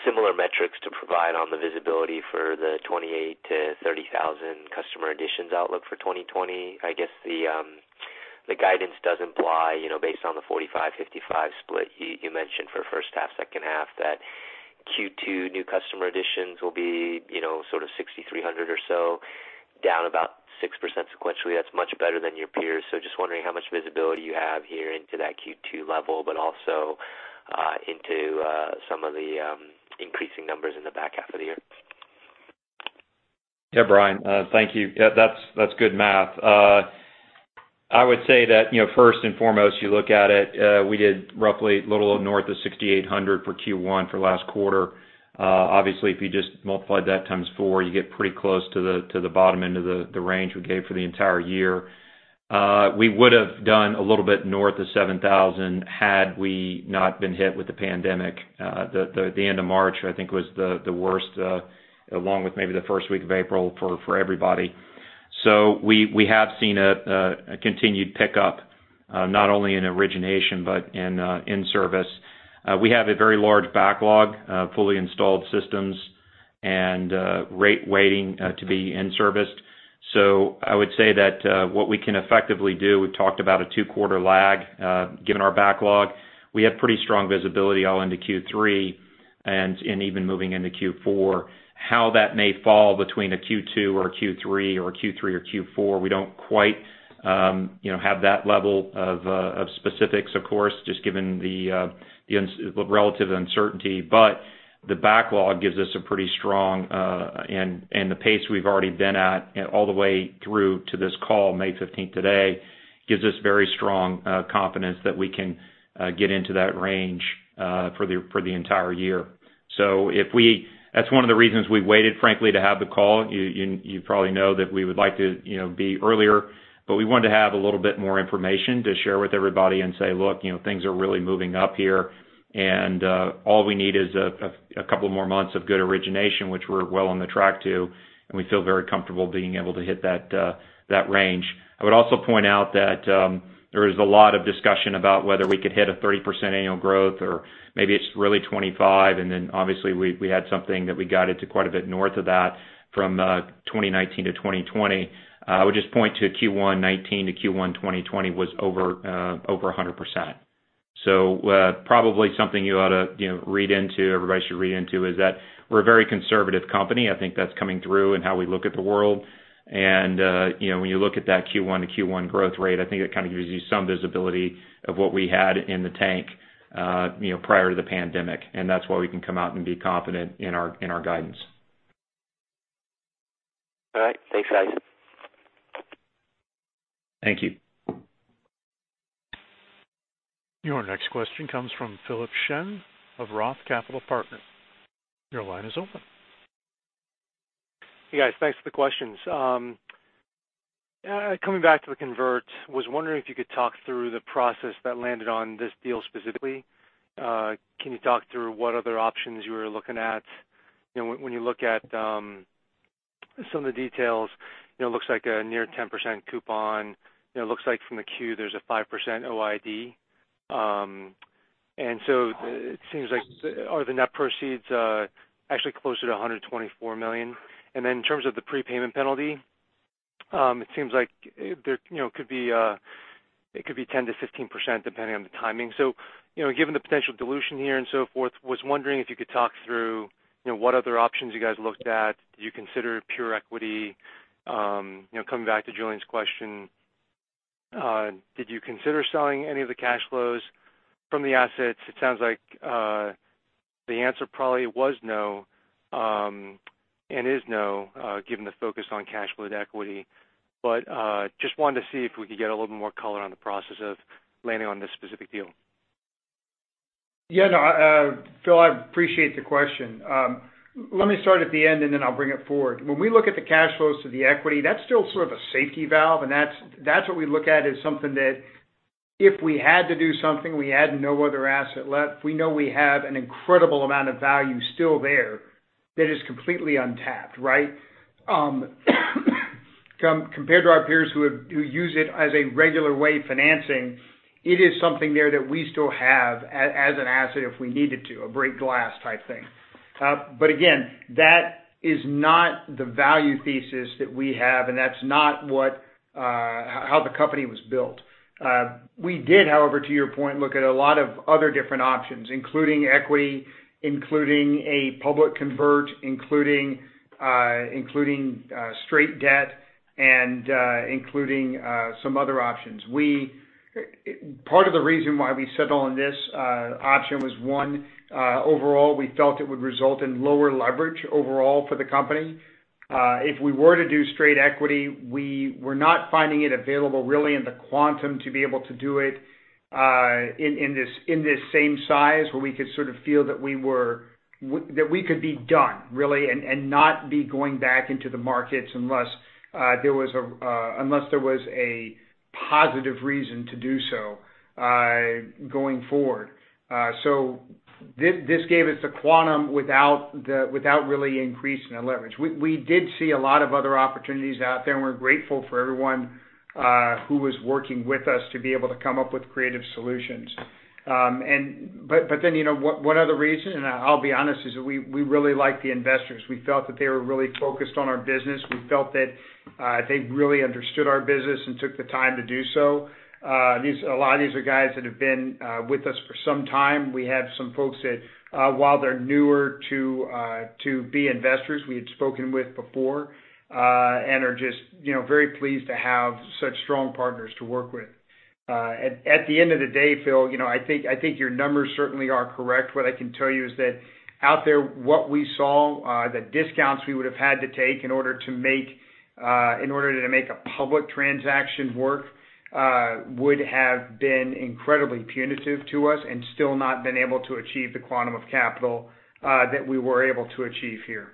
similar metrics to provide on the visibility for the 28,000-30,000 customer additions outlook for 2020. I guess the guidance does imply, based on the 45-55 split you mentioned for first half, second half, that Q2 new customer additions will be sort of 6,300 or so, down about 6% sequentially. That's much better than your peers. Just wondering how much visibility you have here into that Q2 level, but also into some of the increasing numbers in the back half of the year. Yeah, Brian. Thank you. That's good math. I would say that, first and foremost, you look at it, we did roughly a little north of 6,800 for Q1 for last quarter. Obviously, if you just multiply that times four, you get pretty close to the bottom end of the range we gave for the entire year. We would have done a little bit north of 7,000 had we not been hit with the pandemic. The end of March, I think, was the worst, along with maybe the first week of April, for everybody. We have seen a continued pickup, not only in origination but in in-service. We have a very large backlog of fully installed systems and rate waiting to be in-serviced. I would say that what we can effectively do, we've talked about a two-quarter lag given our backlog. We have pretty strong visibility all into Q3 and even moving into Q4. How that may fall between a Q2 or Q3 or Q3 or Q4, we don't quite have that level of specifics, of course, just given the relative uncertainty. The backlog gives us a pretty strong and the pace we've already been at all the way through to this call, May 15th today, gives us very strong confidence that we can get into that range for the entire year. That's one of the reasons we waited, frankly, to have the call. You probably know that we would like to be earlier, but we wanted to have a little bit more information to share with everybody and say, look, things are really moving up here, and all we need is a couple more months of good origination, which we're well on the track to, and we feel very comfortable being able to hit that range. I would also point out that there is a lot of discussion about whether we could hit a 30% annual growth, or maybe it's really 25. Obviously we had something that we guided to quite a bit north of that from 2019 to 2020. I would just point to Q1 2019 to Q1 2020 was over 100%. Probably something everybody should read into is that we're a very conservative company. I think that's coming through in how we look at the world. When you look at that Q1 to Q1 growth rate, I think it kind of gives you some visibility of what we had in the tank prior to the pandemic. That's why we can come out and be confident in our guidance. All right. Thanks, guys. Thank you. Your next question comes from Philip Shen of ROTH Capital Partners. Your line is open. Hey, guys. Thanks for the questions. Coming back to the convert, was wondering if you could talk through the process that landed on this deal specifically. Can you talk through what other options you were looking at? When you look at some of the details, it looks like a near 10% coupon. It looks like from the Q, there's a 5% OID. It seems like are the net proceeds actually closer to $124 million? In terms of the prepayment penalty, it seems like it could be 10%-15% depending on the timing. Given the potential dilution here and so forth, was wondering if you could talk through what other options you guys looked at. Did you consider pure equity? Coming back to Julien's question, did you consider selling any of the cash flows from the assets? It sounds like the answer probably was no and is no given the focus on cash flow to equity. Just wanted to see if we could get a little bit more color on the process of landing on this specific deal. Yeah. No, Phil, I appreciate the question. Let me start at the end, and then I'll bring it forward. When we look at the cash flows to the equity, that's still sort of a safety valve, and that's what we look at as something that if we had to do something, we had no other asset left. We know we have an incredible amount of value still there that is completely untapped, right? Compared to our peers who use it as a regular way financing, it is something there that we still have as an asset if we needed to, a break glass type thing. Again, that is not the value thesis that we have, and that's not how the company was built. We did, however, to your point, look at a lot of other different options, including equity, including a public convert, including straight debt, and including some other options. Part of the reason why we settled on this option was, one, overall, we felt it would result in lower leverage overall for the company. If we were to do straight equity, we were not finding it available really in the quantum to be able to do it in this same size where we could sort of feel that we could be done really and not be going back into the markets unless there was a positive reason to do so going forward. This gave us the quantum without really increasing the leverage. We did see a lot of other opportunities out there, and we're grateful for everyone who was working with us to be able to come up with creative solutions. One other reason, and I'll be honest, is we really like the investors. We felt that they were really focused on our business. We felt that they really understood our business and took the time to do so. A lot of these are guys that have been with us for some time. We have some folks that while they're newer to be investors, we had spoken with before, and are just very pleased to have such strong partners to work with. At the end of the day, Phil, I think your numbers certainly are correct. What I can tell you is that out there, what we saw, the discounts we would've had to take in order to make a public transaction work, would have been incredibly punitive to us and still not been able to achieve the quantum of capital that we were able to achieve here.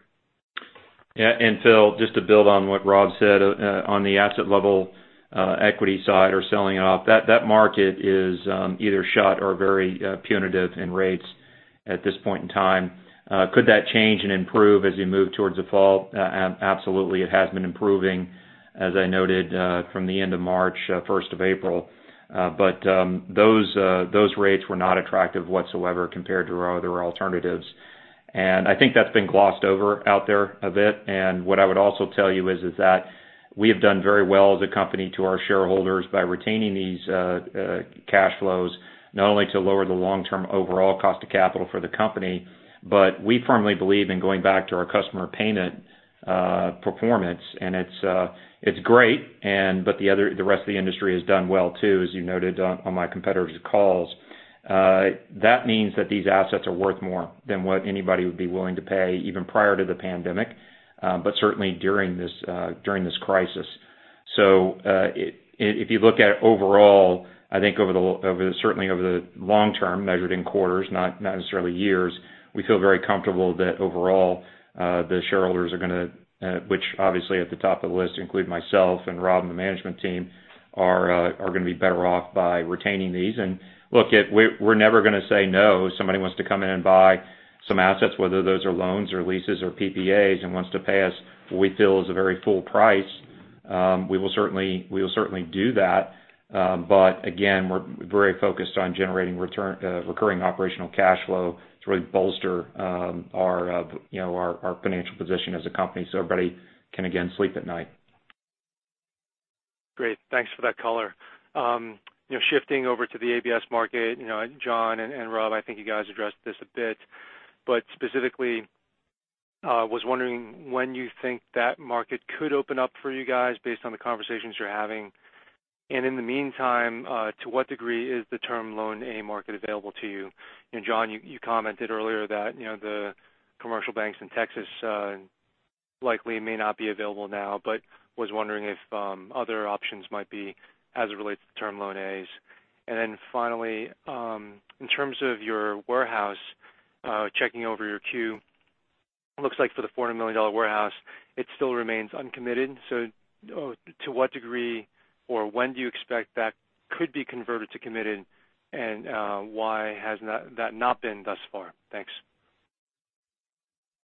Yeah. Philip, just to build on what Robert said, on the asset level equity side or selling off, that market is either shut or very punitive in rates at this point in time. Could that change and improve as we move towards the fall? Absolutely. It has been improving, as I noted, from the end of March, 1st of April. Those rates were not attractive whatsoever compared to our other alternatives. I think that's been glossed over out there a bit. What I would also tell you is that we have done very well as a company to our shareholders by retaining these cash flows, not only to lower the long-term overall cost of capital for the company, but we firmly believe in going back to our customer payment performance. It's great, but the rest of the industry has done well, too, as you noted on my competitors' calls. That means that these assets are worth more than what anybody would be willing to pay, even prior to the pandemic, but certainly during this crisis. If you look at it overall, I think certainly over the long term, measured in quarters, not necessarily years, we feel very comfortable that overall, the shareholders are going to, which obviously at the top of the list include myself and Rob and the management team, are going to be better off by retaining these. Look, we're never going to say no if somebody wants to come in and buy some assets, whether those are loans or leases or PPAs, and wants to pay us what we feel is a very full price. We will certainly do that. Again, we're very focused on generating recurring operational cash flow to really bolster our financial position as a company so everybody can, again, sleep at night. Great. Thanks for that color. Shifting over to the ABS market, John and Rob, I think you guys addressed this a bit, specifically, was wondering when you think that market could open up for you guys based on the conversations you're having. In the meantime, to what degree is the term loan A market available to you? John, you commented earlier that the commercial banks in Texas likely may not be available now, was wondering if other options might be as it relates to term loan As. Finally, in terms of your warehouse, checking over your Q, looks like for the $400 million warehouse, it still remains uncommitted. To what degree or when do you expect that could be converted to committed, and why has that not been thus far? Thanks.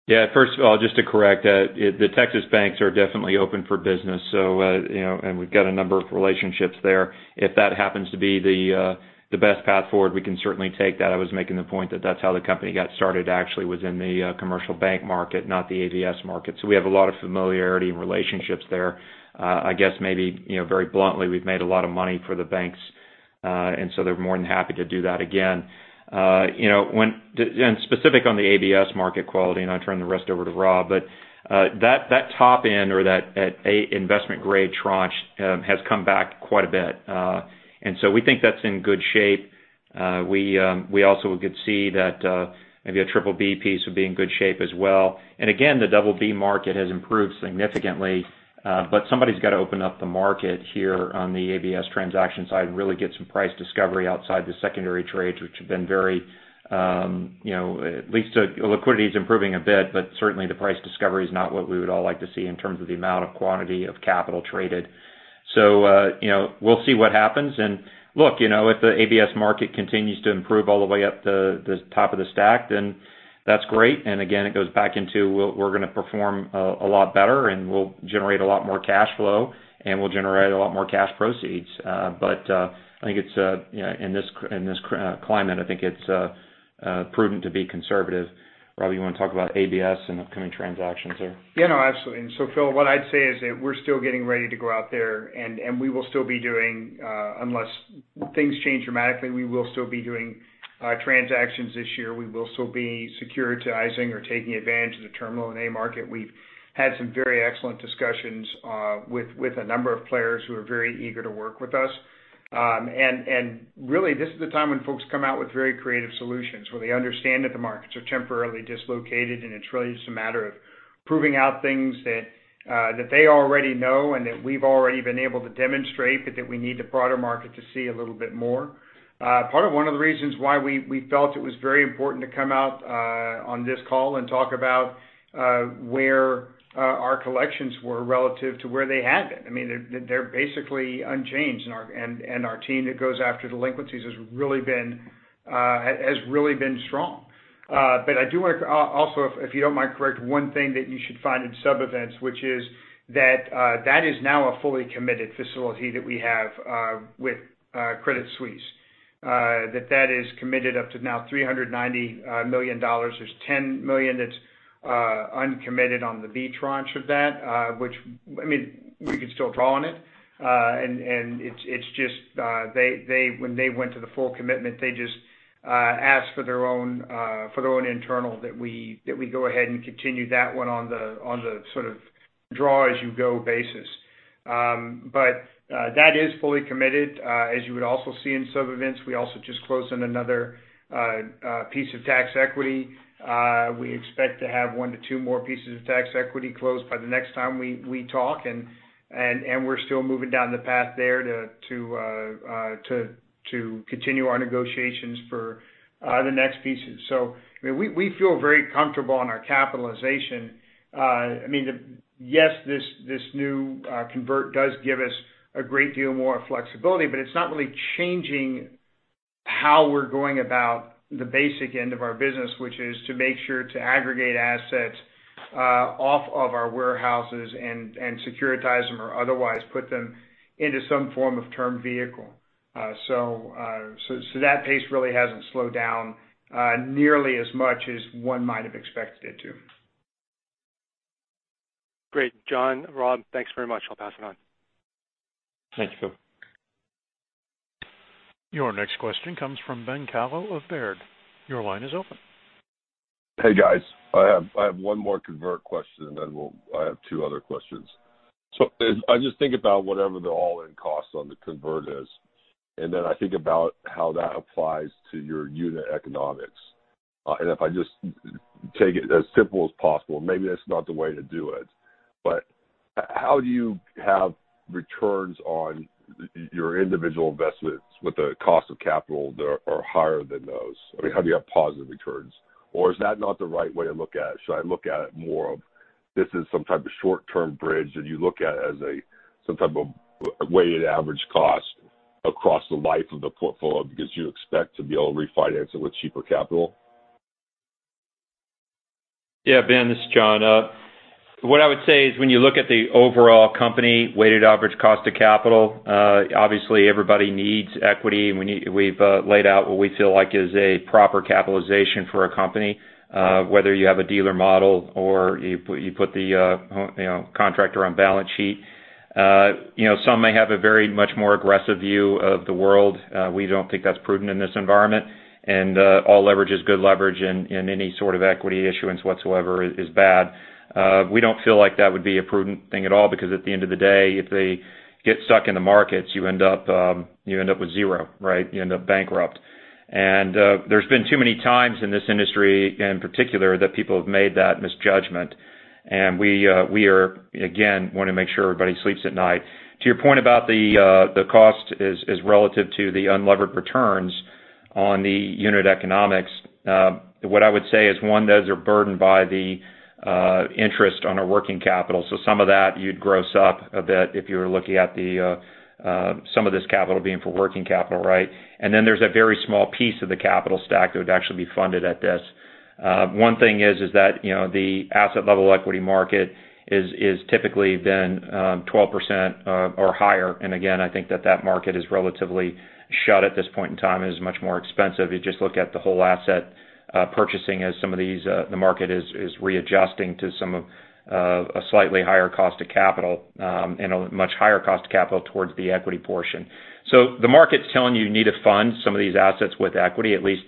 Yeah. First of all, just to correct, the Texas banks are definitely open for business. We've got a number of relationships there. If that happens to be the best path forward, we can certainly take that. I was making the point that that's how the company got started, actually, was in the commercial bank market, not the ABS market. We have a lot of familiarity and relationships there. I guess maybe very bluntly, we've made a lot of money for the banks, and so they're more than happy to do that again. Specific on the ABS market quality, and I'll turn the rest over to Rob, but that top end or that investment-grade tranche has come back quite a bit. We think that's in good shape. We also could see that maybe a BBB piece would be in good shape as well. Again, the BB market has improved significantly. Somebody's got to open up the market here on the ABS transaction side and really get some price discovery outside the secondary trades, which at least liquidity is improving a bit, but certainly the price discovery is not what we would all like to see in terms of the amount of quantity of capital traded. We'll see what happens. Look, if the ABS market continues to improve all the way up the top of the stack, then that's great. Again, it goes back into we're going to perform a lot better, and we'll generate a lot more cash flow, and we'll generate a lot more cash proceeds. I think in this climate, I think it's prudent to be conservative. Rob, you want to talk about ABS and upcoming transactions there? Yeah, no, absolutely. Phil, what I'd say is that we're still getting ready to go out there, and we will still be doing, unless things change dramatically, we will still be doing transactions this year. We will still be securitizing or taking advantage of the term loan A market. We've had some very excellent discussions with a number of players who are very eager to work with us. Really, this is the time when folks come out with very creative solutions, where they understand that the markets are temporarily dislocated, and it's really just a matter of proving out things that they already know and that we've already been able to demonstrate, but that we need the broader market to see a little bit more. Part of one of the reasons why we felt it was very important to come out on this call and talk about where our collections were relative to where they had been. They're basically unchanged. Our team that goes after delinquencies has really been strong. I do want to also, if you don't mind, correct one thing that you should find in sub events, which is that is now a fully committed facility that we have with Credit Suisse. That is committed up to now $390 million. There's $10 million that's uncommitted on the B tranche of that, which we could still draw on it. It's just when they went to the full commitment, they just asked for their own internal that we go ahead and continue that one on the sort of draw as you go basis. That is fully committed. As you would also see in Sunnova, we also just closed on another piece of tax equity. We expect to have one to two more pieces of tax equity closed by the next time we talk, and we're still moving down the path there to continue our negotiations for the next pieces. We feel very comfortable in our capitalization. Yes, this new convert does give us a great deal more flexibility, but it's not really changing how we're going about the basic end of our business, which is to make sure to aggregate assets off of our warehouses and securitize them or otherwise put them into some form of term vehicle. That pace really hasn't slowed down nearly as much as one might have expected it to. Great, John, Rob, thanks very much. I'll pass it on. Thank you. Your next question comes from Ben Kallo of Baird. Your line is open. Hey, guys. I have one more convert question, then I have two other questions. I just think about whatever the all-in cost on the convert is, then I think about how that applies to your unit economics. If I just take it as simple as possible, maybe that's not the way to do it, how do you have returns on your individual investments with the cost of capital that are higher than those? I mean, how do you have positive returns? Is that not the right way to look at it? Should I look at it more of, this is some type of short-term bridge that you look at as some type of weighted average cost across the life of the portfolio because you expect to be able to refinance it with cheaper capital? Yeah, Ben, this is John. What I would say is, when you look at the overall company weighted average cost of capital, obviously everybody needs equity, and we've laid out what we feel like is a proper capitalization for a company, whether you have a dealer model or you put the contractor on balance sheet. Some may have a very much more aggressive view of the world. We don't think that's prudent in this environment, and all leverage is good leverage, and any sort of equity issuance whatsoever is bad. We don't feel like that would be a prudent thing at all because at the end of the day, if they get stuck in the markets, you end up with zero, right? You end up bankrupt. There's been too many times in this industry, in particular, that people have made that misjudgment. We are, again, want to make sure everybody sleeps at night. To your point about the cost is relative to the unlevered returns on the unit economics. What I would say is, one, those are burdened by the interest on a working capital. Some of that you'd gross up a bit if you were looking at some of this capital being for working capital, right? Then there's a very small piece of the capital stack that would actually be funded at this. One thing is that the asset level equity market is typically been 12% or higher. Again, I think that market is relatively shut at this point in time and is much more expensive. You just look at the whole asset purchasing as some of these, the market is readjusting to a slightly higher cost of capital and a much higher cost of capital towards the equity portion. The market's telling you need to fund some of these assets with equity, at least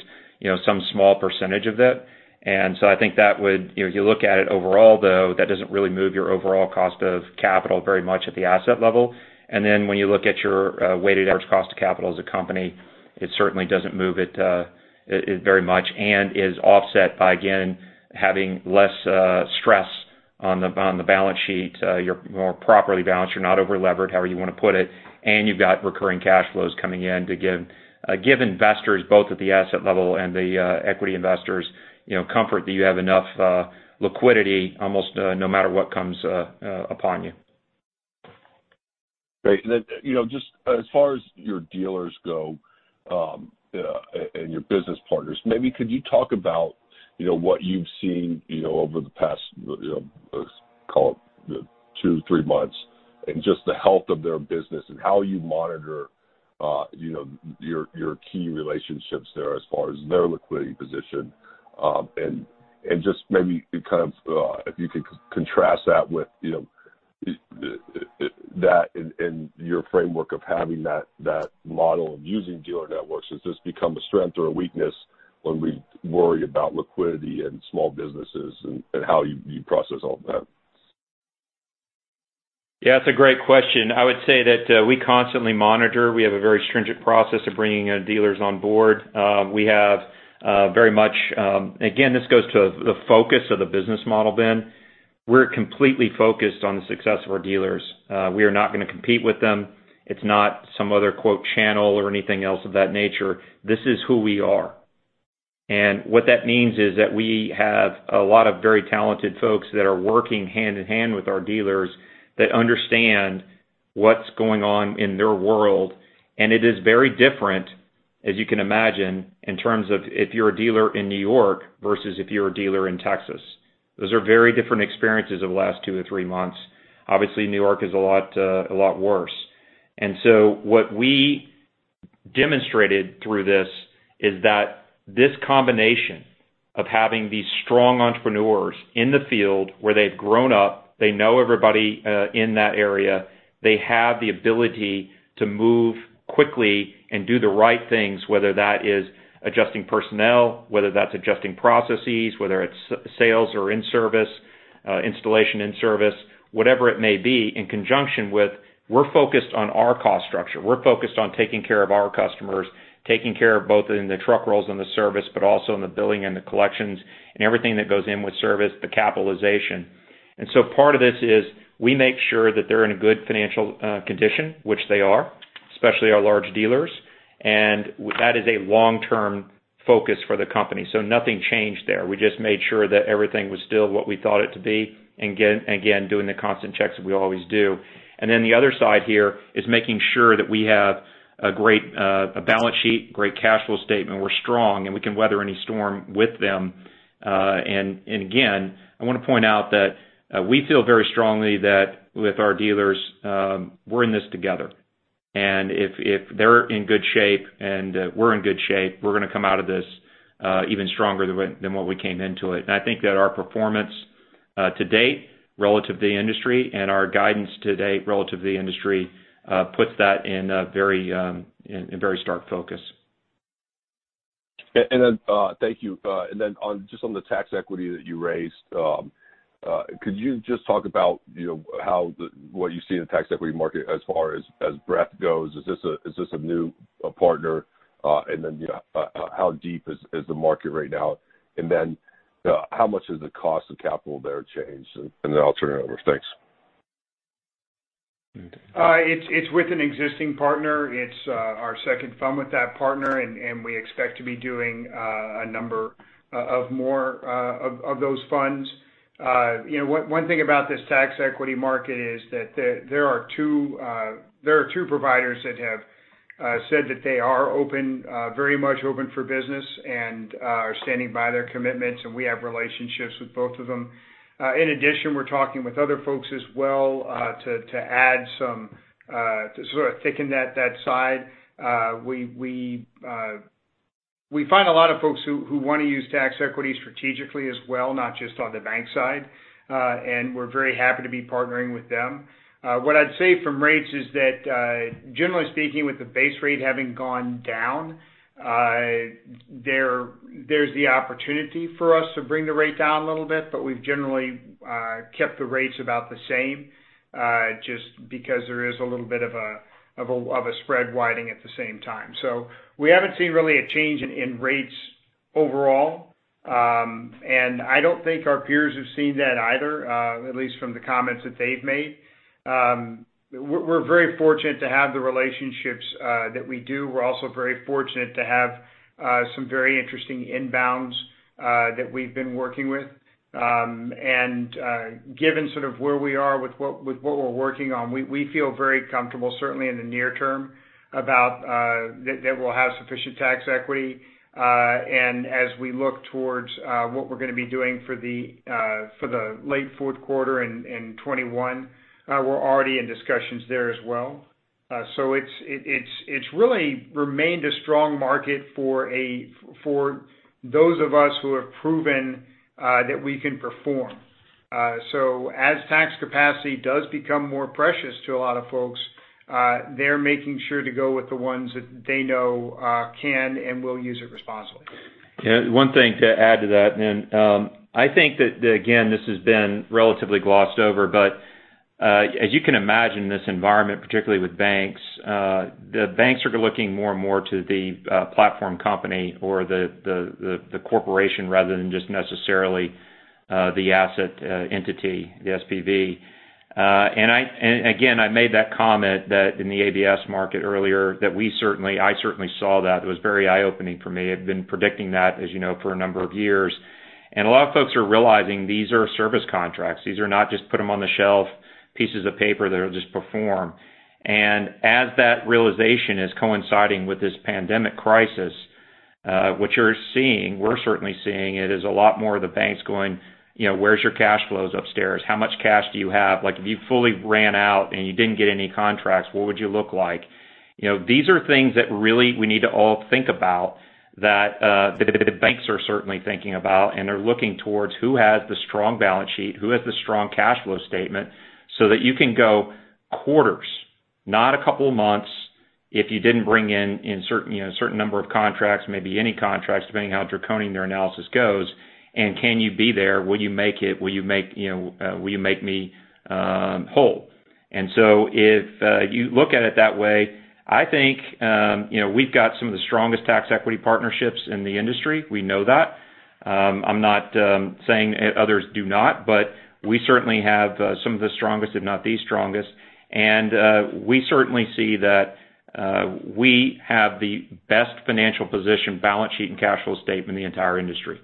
some small percentage of it. I think that would, if you look at it overall, though, that doesn't really move your overall cost of capital very much at the asset level. When you look at your weighted average cost of capital as a company, it certainly doesn't move it very much and is offset by, again, having less stress on the balance sheet. You're more properly balanced. You're not over-levered, however you want to put it, and you've got recurring cash flows coming in to give investors, both at the asset level and the equity investors comfort that you have enough liquidity almost no matter what comes upon you. Great. Just as far as your dealers go, and your business partners, maybe could you talk about what you've seen over the past, let's call it two to three months, and just the health of their business and how you monitor your key relationships there as far as their liquidity position. Just maybe if you could contrast that with that in your framework of having that model of using dealer networks. Has this become a strength or a weakness when we worry about liquidity and small businesses and how you process all of that? Yeah, that's a great question. I would say that we constantly monitor. We have a very stringent process of bringing our dealers on board. Again, this goes to the focus of the business model, Ben. We're completely focused on the success of our dealers. We are not going to compete with them. It's not some other "channel" or anything else of that nature. This is who we are. What that means is that we have a lot of very talented folks that are working hand in hand with our dealers that understand what's going on in their world, and it is very different, as you can imagine, in terms of if you're a dealer in New York versus if you're a dealer in Texas. Those are very different experiences over the last two to three months. Obviously, New York is a lot worse. What we demonstrated through this is that this combination of having these strong entrepreneurs in the field where they've grown up, they know everybody in that area, they have the ability to move quickly and do the right things, whether that is adjusting personnel, whether that's adjusting processes, whether it's sales or in service, installation in service, whatever it may be, in conjunction with we're focused on our cost structure. We're focused on taking care of our customers, taking care of both in the truck rolls and the service, but also in the billing and the collections and everything that goes in with service, the capitalization. Part of this is we make sure that they're in a good financial condition, which they are, especially our large dealers. That is a long-term focus for the company. Nothing changed there. We just made sure that everything was still what we thought it to be, and again, doing the constant checks that we always do. The other side here is making sure that we have a great balance sheet, great cash flow statement. We're strong, and we can weather any storm with them. Again, I want to point out that we feel very strongly that with our dealers, we're in this together. If they're in good shape and we're in good shape, we're going to come out of this even stronger than what we came into it. I think that our performance to date relative to the industry and our guidance to date relative to the industry, puts that in a very stark focus. Thank you. Just on the tax equity that you raised, could you just talk about what you see in the tax equity market as far as breadth goes? Is this a new partner? How deep is the market right now? How much has the cost of capital there changed? I'll turn it over. Thanks. It's with an existing partner. It's our second fund with that partner, and we expect to be doing a number of more of those funds. One thing about this tax equity market is that there are two providers that have said that they are very much open for business and are standing by their commitments, and we have relationships with both of them. In addition, we're talking with other folks as well to sort of thicken that side. We find a lot of folks who want to use tax equity strategically as well, not just on the bank side. We're very happy to be partnering with them. What I'd say from rates is that, generally speaking, with the base rate having gone down, there's the opportunity for us to bring the rate down a little bit, but we've generally kept the rates about the same, just because there is a little bit of a spread widening at the same time. We haven't seen really a change in rates overall. I don't think our peers have seen that either, at least from the comments that they've made. We're very fortunate to have the relationships that we do. We're also very fortunate to have some very interesting inbounds that we've been working with. Given sort of where we are with what we're working on, we feel very comfortable, certainly in the near term, that we'll have sufficient tax equity. As we look towards what we're going to be doing for the late fourth quarter and 2021, we're already in discussions there as well. It's really remained a strong market for those of us who have proven that we can perform. As tax capacity does become more precious to a lot of folks, they're making sure to go with the ones that they know can and will use it responsibly. One thing to add to that, and I think that, again, this has been relatively glossed over, but as you can imagine, this environment, particularly with banks. The banks are looking more and more to the platform company or the corporation rather than just necessarily the asset entity, the SPV. Again, I made that comment that in the ABS market earlier, that I certainly saw that. It was very eye-opening for me. I've been predicting that, as you know, for a number of years. A lot of folks are realizing these are service contracts. These are not just put them on the shelf pieces of paper that'll just perform. As that realization is coinciding with this pandemic crisis, what you're seeing, we're certainly seeing it, is a lot more of the banks going, "Where's your cash flows upstairs? How much cash do you have? If you fully ran out and you didn't get any contracts, what would you look like? These are things that really we need to all think about that the banks are certainly thinking about, and they're looking towards who has the strong balance sheet, who has the strong cash flow statement, so that you can go quarters, not a couple of months, if you didn't bring in a certain number of contracts, maybe any contracts, depending on how draconian their analysis goes. Can you be there? Will you make it? Will you make me whole? If you look at it that way, I think we've got some of the strongest tax equity partnerships in the industry. We know that. I'm not saying others do not, but we certainly have some of the strongest, if not the strongest. We certainly see that we have the best financial position, balance sheet, and cash flow statement in the entire industry.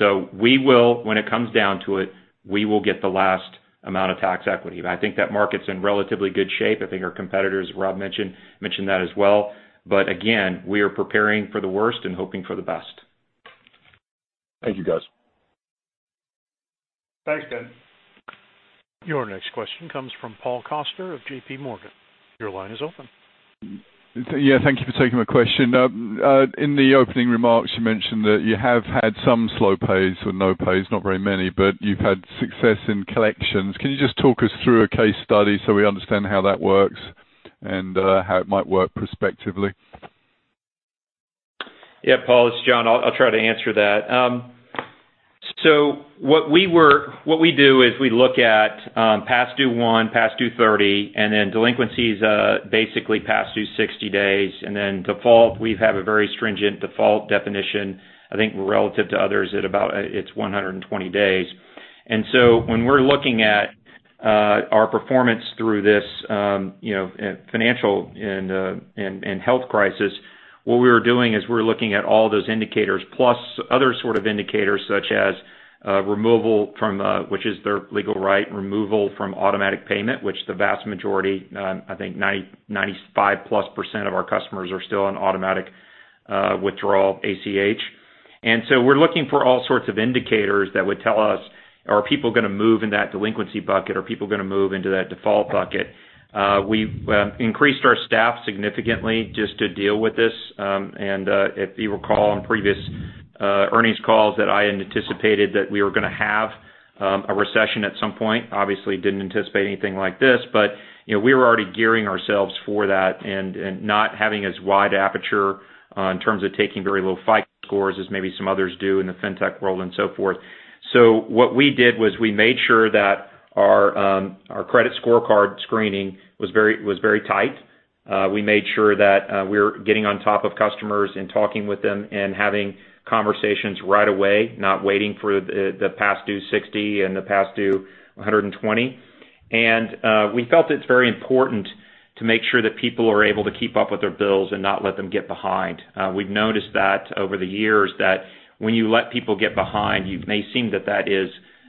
When it comes down to it, we will get the last amount of tax equity. I think that market's in relatively good shape. I think our competitors, Rob mentioned that as well. Again, we are preparing for the worst and hoping for the best. Thank you, guys. Thanks, Ben. Your next question comes from Paul Coster of J.P. Morgan. Your line is open. Yeah. Thank you for taking my question. In the opening remarks, you mentioned that you have had some slow pays or no pays, not very many, but you've had success in collections. Can you just talk us through a case study so we understand how that works and how it might work prospectively? Yeah, Paul, it's John. I'll try to answer that. What we do is we look at past due 1, past due 30, and then delinquencies, basically past due 60 days, and then default. We have a very stringent default definition, I think, relative to others at about, it's 120 days. When we're looking at our performance through this financial and health crisis, what we're doing is we're looking at all those indicators plus other sort of indicators such as removal from, which is their legal right, removal from automatic payment, which the vast majority, I think, 95% plus of our customers are still on automatic withdrawal ACH. We're looking for all sorts of indicators that would tell us, are people going to move in that delinquency bucket? Are people going to move into that default bucket? We increased our staff significantly just to deal with this. If you recall on previous earnings calls that I had anticipated that we were going to have a recession at some point. Obviously, didn't anticipate anything like this, but we were already gearing ourselves for that and not having as wide aperture in terms of taking very low FICO scores as maybe some others do in the fintech world and so forth. What we did was we made sure that our credit scorecard screening was very tight. We made sure that we were getting on top of customers and talking with them and having conversations right away, not waiting for the past due 60 and the past due 120. We felt it's very important to make sure that people are able to keep up with their bills and not let them get behind. We've noticed that over the years that when you let people get behind, it may seem that that is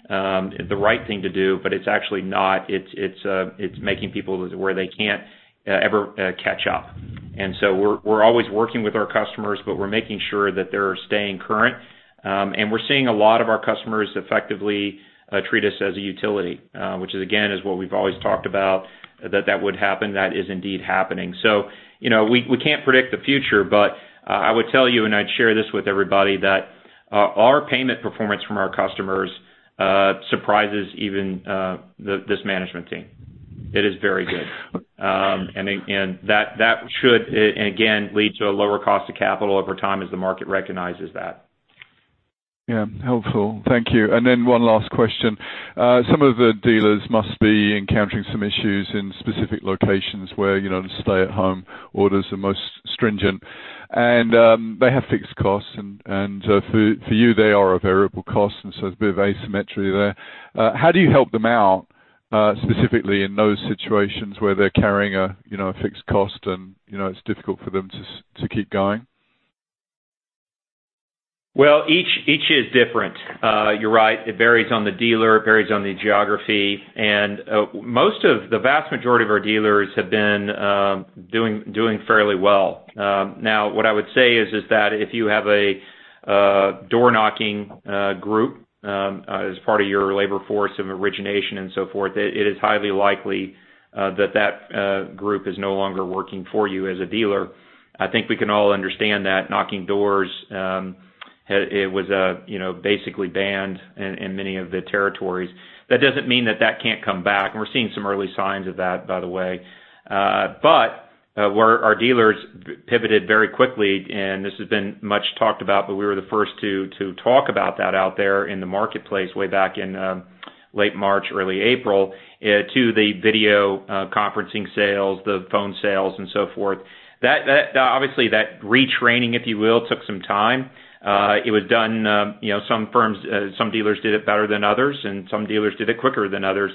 the right thing to do, but it's actually not. It's making people where they can't ever catch up. We're always working with our customers, but we're making sure that they're staying current. We're seeing a lot of our customers effectively treat us as a utility, which is, again, is what we've always talked about, that that would happen. That is indeed happening. We can't predict the future, but I would tell you, and I'd share this with everybody, that our payment performance from our customers surprises even this management team. It is very good. That should, again, lead to a lower cost of capital over time as the market recognizes that. Yeah. Helpful. Thank you. Then one last question. Some of the dealers must be encountering some issues in specific locations where stay-at-home orders are most stringent. They have fixed costs, and for you, they are a variable cost, and so there's a bit of asymmetry there. How do you help them out, specifically in those situations where they're carrying a fixed cost, and it's difficult for them to keep going? Well, each is different. You're right. It varies on the dealer. It varies on the geography. Most of the vast majority of our dealers have been doing fairly well. Now, what I would say is that if you have a door-knocking group as part of your labor force and origination and so forth, it is highly likely that that group is no longer working for you as a dealer. I think we can all understand that knocking doors, it was basically banned in many of the territories. That doesn't mean that that can't come back. We're seeing some early signs of that, by the way. Our dealers pivoted very quickly, and this has been much talked about, but we were the first to talk about that out there in the marketplace way back in late March, early April, to the video conferencing sales, the phone sales, and so forth. Obviously, that retraining, if you will, took some time. It was done. Some dealers did it better than others, and some dealers did it quicker than others.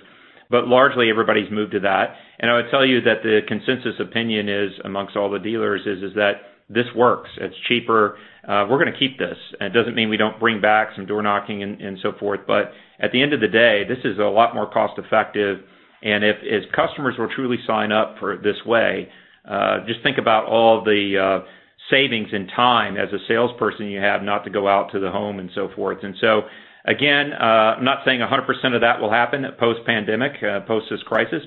Largely, everybody's moved to that. I would tell you that the consensus opinion is amongst all the dealers is that this works. It's cheaper. We're going to keep this. It doesn't mean we don't bring back some door knocking and so forth. At the end of the day, this is a lot more cost-effective. If customers will truly sign up for this way, just think about all the savings and time as a salesperson you have not to go out to the home and so forth. Again, I'm not saying 100% of that will happen post-pandemic, post this crisis.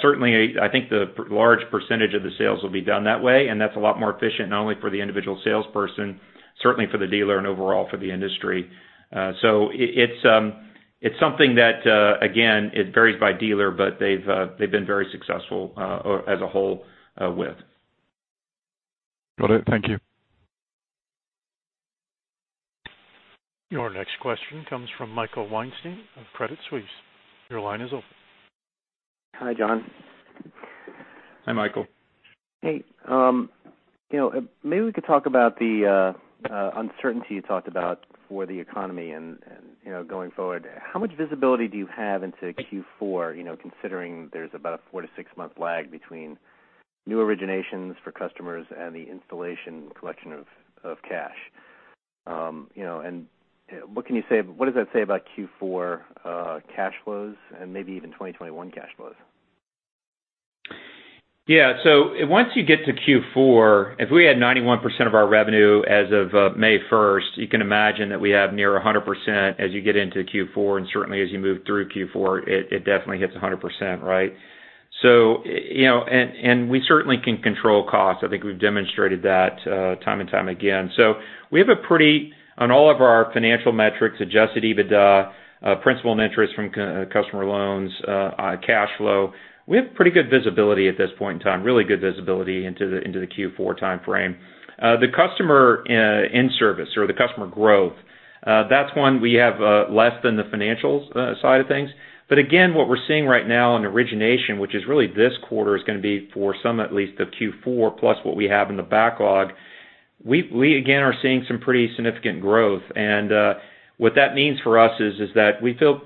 Certainly, I think the large percentage of the sales will be done that way, and that's a lot more efficient, not only for the individual salesperson, certainly for the dealer and overall for the industry. It's something that, again, it varies by dealer, but they've been very successful as a whole with. Got it. Thank you. Your next question comes from Michael Weinstein of Credit Suisse. Your line is open. Hi, John. Hi, Michael. Hey. Maybe we could talk about the uncertainty you talked about for the economy and going forward. How much visibility do you have into Q4 considering there's about a four to six-month lag between new originations for customers and the installation collection of cash? What does that say about Q4 cash flows and maybe even 2021 cash flows? Yeah. Once you get to Q4, if we had 91% of our revenue as of May 1st, you can imagine that we have near 100% as you get into Q4. Certainly as you move through Q4, it definitely hits 100%, right? We certainly can control costs. I think we've demonstrated that time and time again. On all of our financial metrics, Adjusted EBITDA, principal and interest from customer loans, cash flow, we have pretty good visibility at this point in time. Really good visibility into the Q4 timeframe. The customer in-service or the customer growth, that's one we have less than the financials side of things. Again, what we're seeing right now in origination, which is really this quarter, is going to be for some at least of Q4, plus what we have in the backlog. We again are seeing some pretty significant growth. What that means for us is that we feel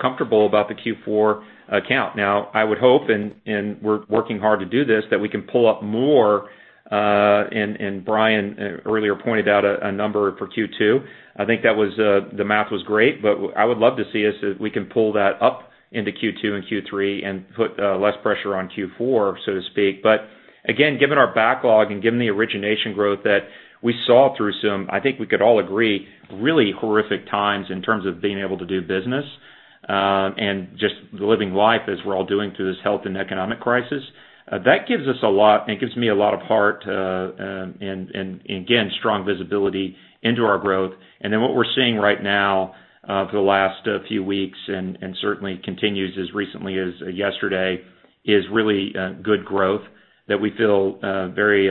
comfortable about the Q4 account. Now, I would hope, and we're working hard to do this, that we can pull up more. Brian earlier pointed out a number for Q2. I think the math was great. I would love to see us if we can pull that up into Q2 and Q3 and put less pressure on Q4, so to speak. Again, given our backlog and given the origination growth that we saw through some, I think we could all agree, really horrific times in terms of being able to do business, and just living life as we're all doing through this health and economic crisis. That gives us a lot, and it gives me a lot of heart, and again, strong visibility into our growth. What we're seeing right now for the last few weeks and certainly continues as recently as yesterday, is really good growth that we feel very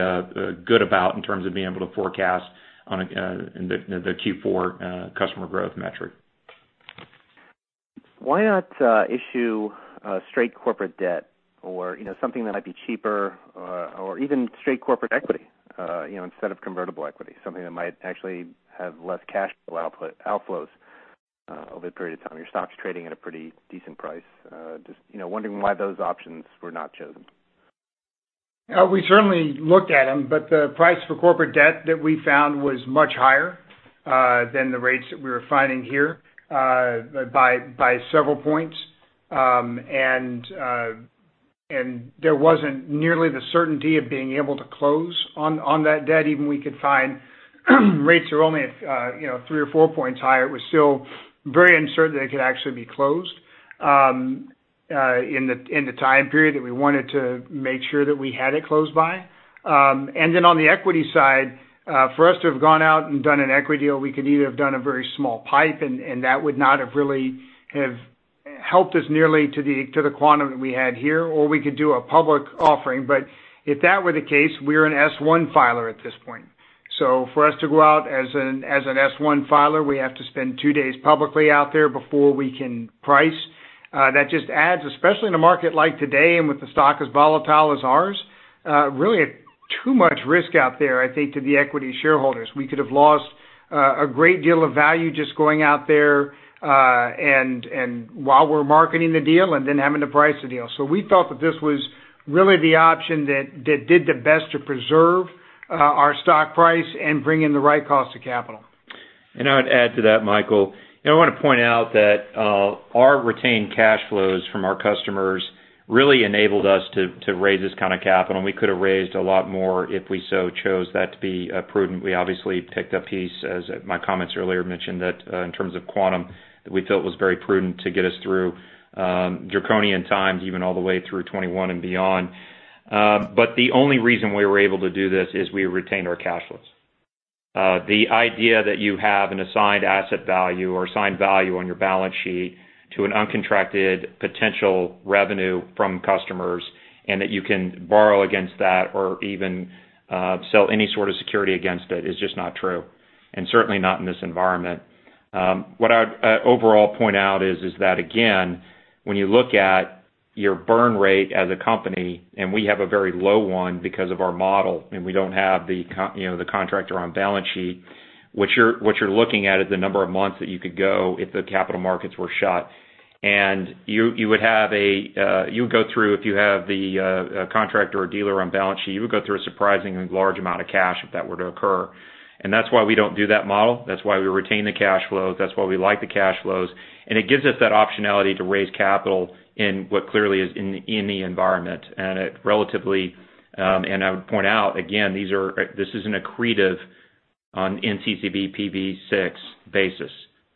good about in terms of being able to forecast on the Q4 customer growth metric. Why not issue straight corporate debt or something that might be cheaper or even straight corporate equity instead of convertible equity, something that might actually have less cash outflows over the period of time? Your stock's trading at a pretty decent price. Just wondering why those options were not chosen. We certainly looked at them, the price for corporate debt that we found was much higher than the rates that we were finding here by several points. There wasn't nearly the certainty of being able to close on that debt. Even we could find rates are only three or four points higher. It was still very uncertain that it could actually be closed in the time period that we wanted to make sure that we had it closed by. On the equity side, for us to have gone out and done an equity deal, we could either have done a very small PIPE and that would not have really have helped us nearly to the quantum that we had here, or we could do a public offering. If that were the case, we're an S-1 filer at this point. For us to go out as an S-1 filer, we have to spend two days publicly out there before we can price. That just adds, especially in a market like today and with the stock as volatile as ours, really too much risk out there, I think, to the equity shareholders. We could have lost a great deal of value just going out there, and while we're marketing the deal, and then having to price the deal. We felt that this was really the option that did the best to preserve our stock price and bring in the right cost of capital. I would add to that, Michael, I want to point out that our retained cash flows from our customers really enabled us to raise this kind of capital. We could have raised a lot more if we so chose that to be prudent. We obviously picked a piece, as my comments earlier mentioned, that in terms of quantum, that we felt was very prudent to get us through draconian times, even all the way through 2021 and beyond. The only reason we were able to do this is we retained our cash flows. The idea that you have an assigned asset value or assigned value on your balance sheet to an uncontracted potential revenue from customers, and that you can borrow against that or even sell any sort of security against it is just not true, and certainly not in this environment. What I'd overall point out is that, again, when you look at your burn rate as a company, and we have a very low one because of our model, and we don't have the contractor on balance sheet. What you're looking at is the number of months that you could go if the capital markets were shut. You would go through, if you have the contractor or dealer on balance sheet, you would go through a surprisingly large amount of cash if that were to occur. That's why we don't do that model. That's why we retain the cash flows. That's why we like the cash flows. It gives us that optionality to raise capital in what clearly is in the environment. I would point out, again, this is an accretive on NCCV PV6 basis.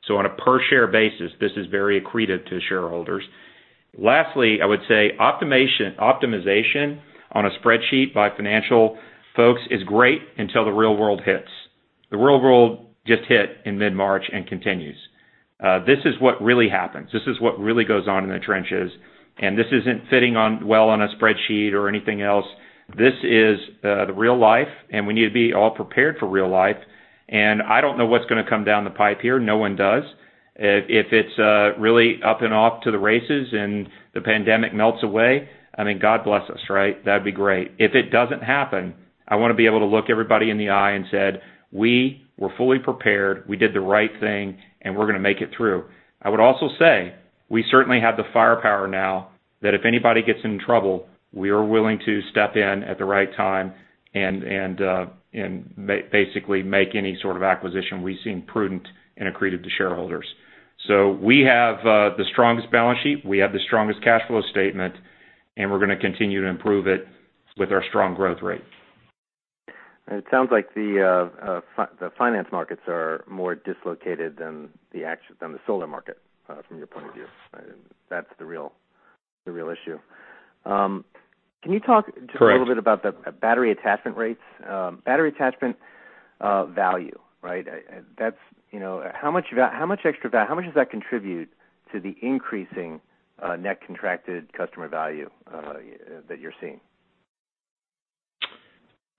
So on a per share basis, this is very accretive to shareholders. Lastly, I would say optimization on a spreadsheet by financial folks is great until the real world hits. The real world just hit in mid-March and continues. This is what really happens. This is what really goes on in the trenches, and this isn't fitting well on a spreadsheet or anything else. This is the real life, and we need to be all prepared for real life. I don't know what's going to come down the pipe here. No one does. If it's really up and off to the races and the pandemic melts away, I mean, God bless us, right? That'd be great. If it doesn't happen, I want to be able to look everybody in the eye and said, "We were fully prepared. We did the right thing, and we're going to make it through. I would also say. We certainly have the firepower now that if anybody gets in trouble, we are willing to step in at the right time and basically make any sort of acquisition we seem prudent and accretive to shareholders. We have the strongest balance sheet, we have the strongest cash flow statement, and we're going to continue to improve it with our strong growth rate. It sounds like the finance markets are more dislocated than the solar market from your point of view. That's the real issue. Correct. Can you talk just a little bit about the battery attachment rates? Battery attachment value. How much does that contribute to the increasing Net Contracted Customer Value that you're seeing?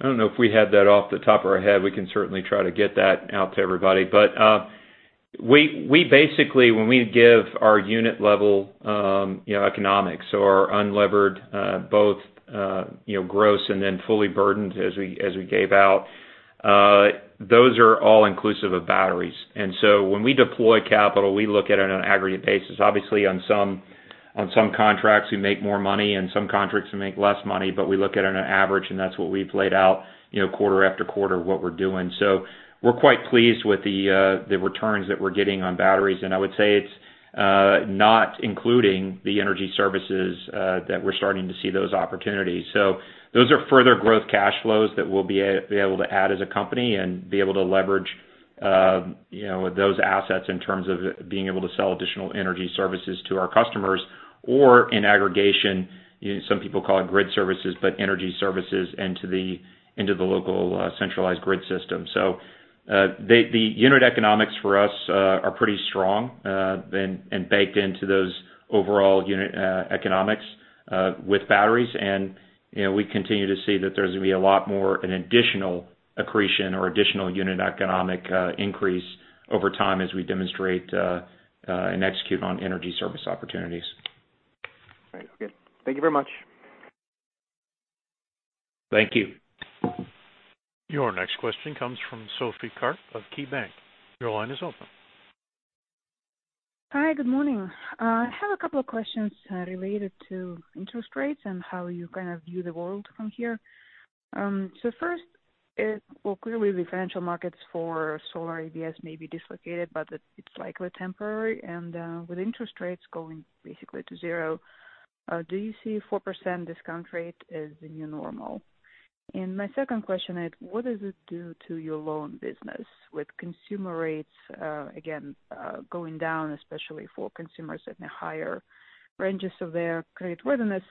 I don't know if we had that off the top of our head. We can certainly try to get that out to everybody. Basically, when we give our unit level economics or unlevered both gross and then fully burdened as we gave out, those are all inclusive of batteries. When we deploy capital, we look at it on an aggregate basis. Obviously, on some contracts we make more money, and some contracts we make less money, but we look at it on an average, and that's what we've laid out quarter after quarter what we're doing. We're quite pleased with the returns that we're getting on batteries. I would say it's not including the energy services that we're starting to see those opportunities. Those are further growth cash flows that we'll be able to add as a company and be able to leverage those assets in terms of being able to sell additional energy services to our customers or in aggregation, some people call it grid services, but energy services into the local centralized grid system. The unit economics for us are pretty strong and baked into those overall unit economics with batteries. We continue to see that there's going to be a lot more an additional accretion or additional unit economic increase over time as we demonstrate and execute on energy service opportunities. Right. Okay. Thank you very much. Thank you. Your next question comes from Sophie Karp of KeyBanc. Your line is open. Hi, good morning. I have a couple of questions related to interest rates and how you kind of view the world from here. First, clearly the financial markets for solar ABS may be dislocated, but it's likely temporary. With interest rates going basically to zero, do you see 4% discount rate as the new normal? My second question is what does it do to your loan business with consumer rates again going down, especially for consumers in the higher ranges of their credit worthiness?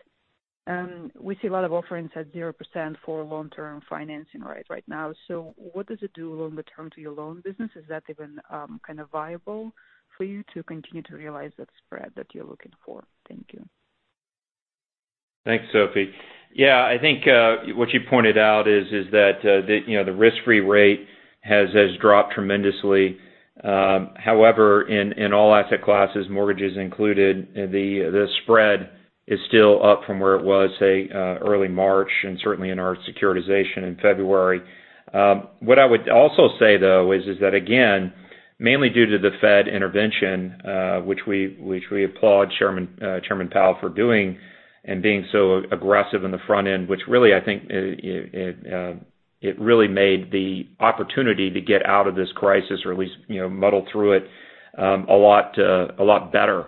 We see a lot of offerings at 0% for long-term financing right now. What does it do long-term to your loan business? Is that even kind of viable for you to continue to realize that spread that you're looking for? Thank you. Thanks, Sophie. Yeah, I think what you pointed out is that the risk-free rate has dropped tremendously. In all asset classes, mortgages included, the spread is still up from where it was, say, early March, and certainly in our securitization in February. What I would also say, though, is that again, mainly due to the Fed intervention, which we applaud Chairman Powell for doing and being so aggressive in the front end, which really I think it really made the opportunity to get out of this crisis or at least muddle through it a lot better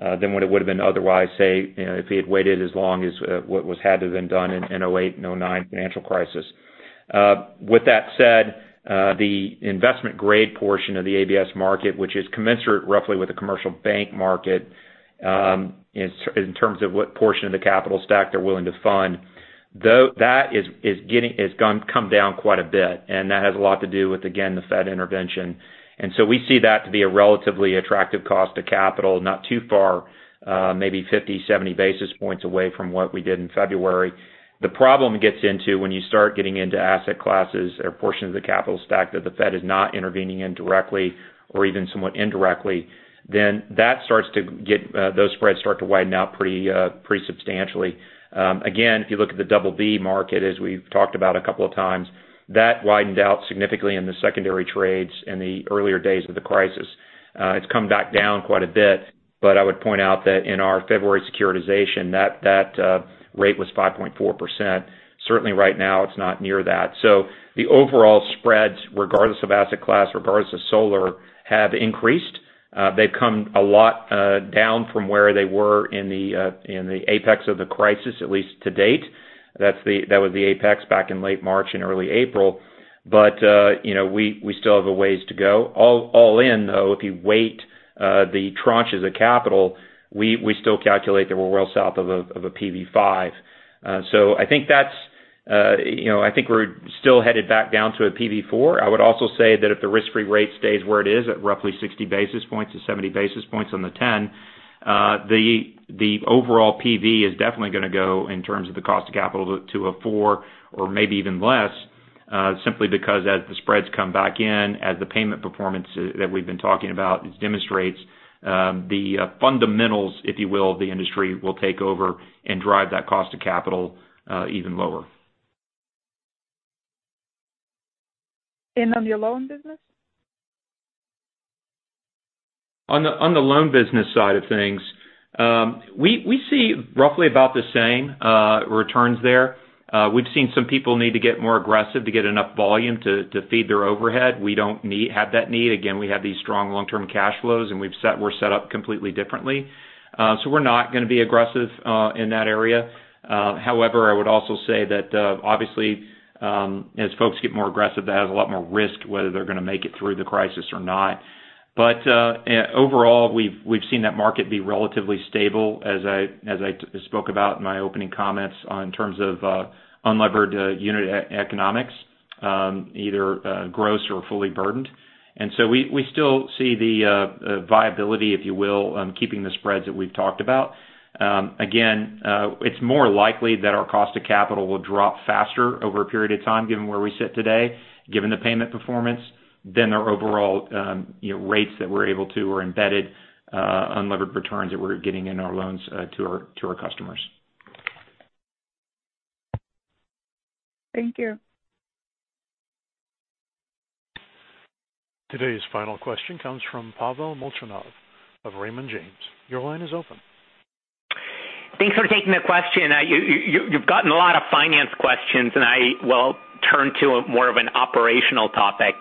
than what it would have been otherwise, say, if he had waited as long as what was had to have been done in 2008 and 2009 financial crisis. With that said, the investment-grade portion of the ABS market, which is commensurate roughly with the commercial bank market in terms of what portion of the capital stack they're willing to fund, that has come down quite a bit, and that has a lot to do with, again, the Fed intervention. We see that to be a relatively attractive cost of capital, not too far, maybe 50, 70 basis points away from what we did in February. The problem gets into when you start getting into asset classes or portions of the capital stack that the Fed is not intervening in directly or even somewhat indirectly, then those spreads start to widen out pretty substantially. If you look at the BB market, as we've talked about a couple of times, that widened out significantly in the secondary trades in the earlier days of the crisis. It's come back down quite a bit, but I would point out that in our February securitization, that rate was 5.4%. Certainly right now, it's not near that. The overall spreads, regardless of asset class, regardless of solar, have increased. They've come a lot down from where they were in the apex of the crisis, at least to date. That was the apex back in late March and early April. We still have a ways to go. All in, though, if you weight the tranches of capital, we still calculate that we're well south of a PV 5. I think we're still headed back down to a PV 4. I would also say that if the risk-free rate stays where it is at roughly 60 basis points to 70 basis points on the 10, the overall PV is definitely going to go in terms of the cost of capital to a four or maybe even less, simply because as the spreads come back in, as the payment performance that we've been talking about demonstrates the fundamentals, if you will, of the industry will take over and drive that cost of capital even lower. On your loan business? On the loan business side of things, we see roughly about the same returns there. We've seen some people need to get more aggressive to get enough volume to feed their overhead. We don't have that need. Again, we have these strong long-term cash flows, and we're set up completely differently. We're not going to be aggressive in that area. However, I would also say that, obviously, as folks get more aggressive, that has a lot more risk, whether they're going to make it through the crisis or not. Overall, we've seen that market be relatively stable, as I spoke about in my opening comments, in terms of unlevered unit economics, either gross or fully burdened. We still see the viability, if you will, keeping the spreads that we've talked about. Again, it's more likely that our cost of capital will drop faster over a period of time given where we sit today, given the payment performance, than our overall rates that we're able to, or embedded unlevered returns that we're getting in our loans to our customers. Thank you. Today's final question comes from Pavel Molchanov of Raymond James. Your line is open. Thanks for taking the question. You've gotten a lot of finance questions. I will turn to more of an operational topic.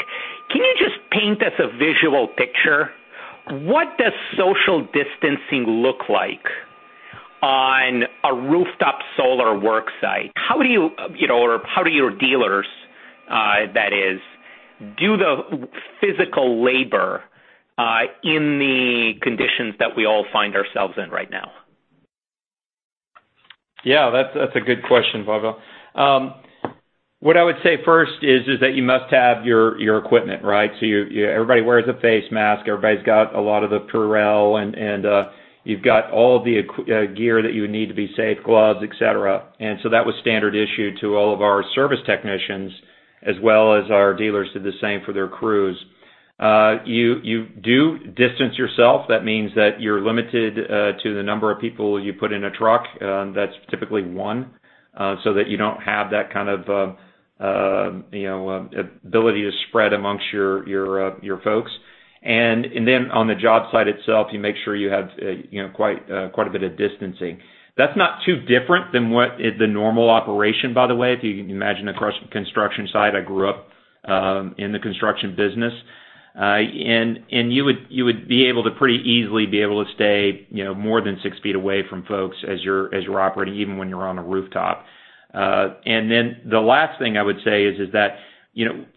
Can you just paint us a visual picture? What does social distancing look like on a rooftop solar work site? How do your dealers, that is, do the physical labor in the conditions that we all find ourselves in right now? Yeah, that's a good question, Pavel. What I would say first is that you must have your equipment, right? Everybody wears a face mask, everybody's got a lot of the PURELL, and you've got all of the gear that you would need to be safe, gloves, et cetera. That was standard issue to all of our service technicians, as well as our dealers did the same for their crews. You do distance yourself. That means that you're limited to the number of people you put in a truck. That's typically one, so that you don't have that kind of ability to spread amongst your folks. On the job site itself, you make sure you have quite a bit of distancing. That's not too different than what is the normal operation, by the way. If you can imagine a construction site. I grew up in the construction business. You would be able to pretty easily be able to stay more than six feet away from folks as you're operating, even when you're on a rooftop. The last thing I would say is that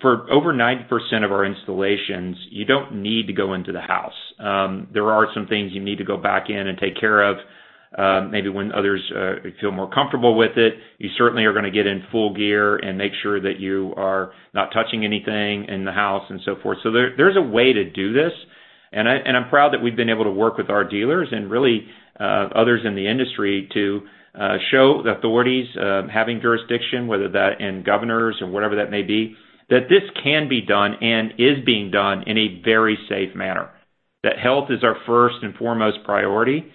for over 90% of our installations, you don't need to go into the house. There are some things you need to go back in and take care of, maybe when others feel more comfortable with it. You certainly are going to get in full gear and make sure that you are not touching anything in the house, and so forth. There's a way to do this. I'm proud that we've been able to work with our dealers and really others in the industry to show the authorities having jurisdiction, whether that in governors or whatever that may be, that this can be done and is being done in a very safe manner. Health is our first and foremost priority.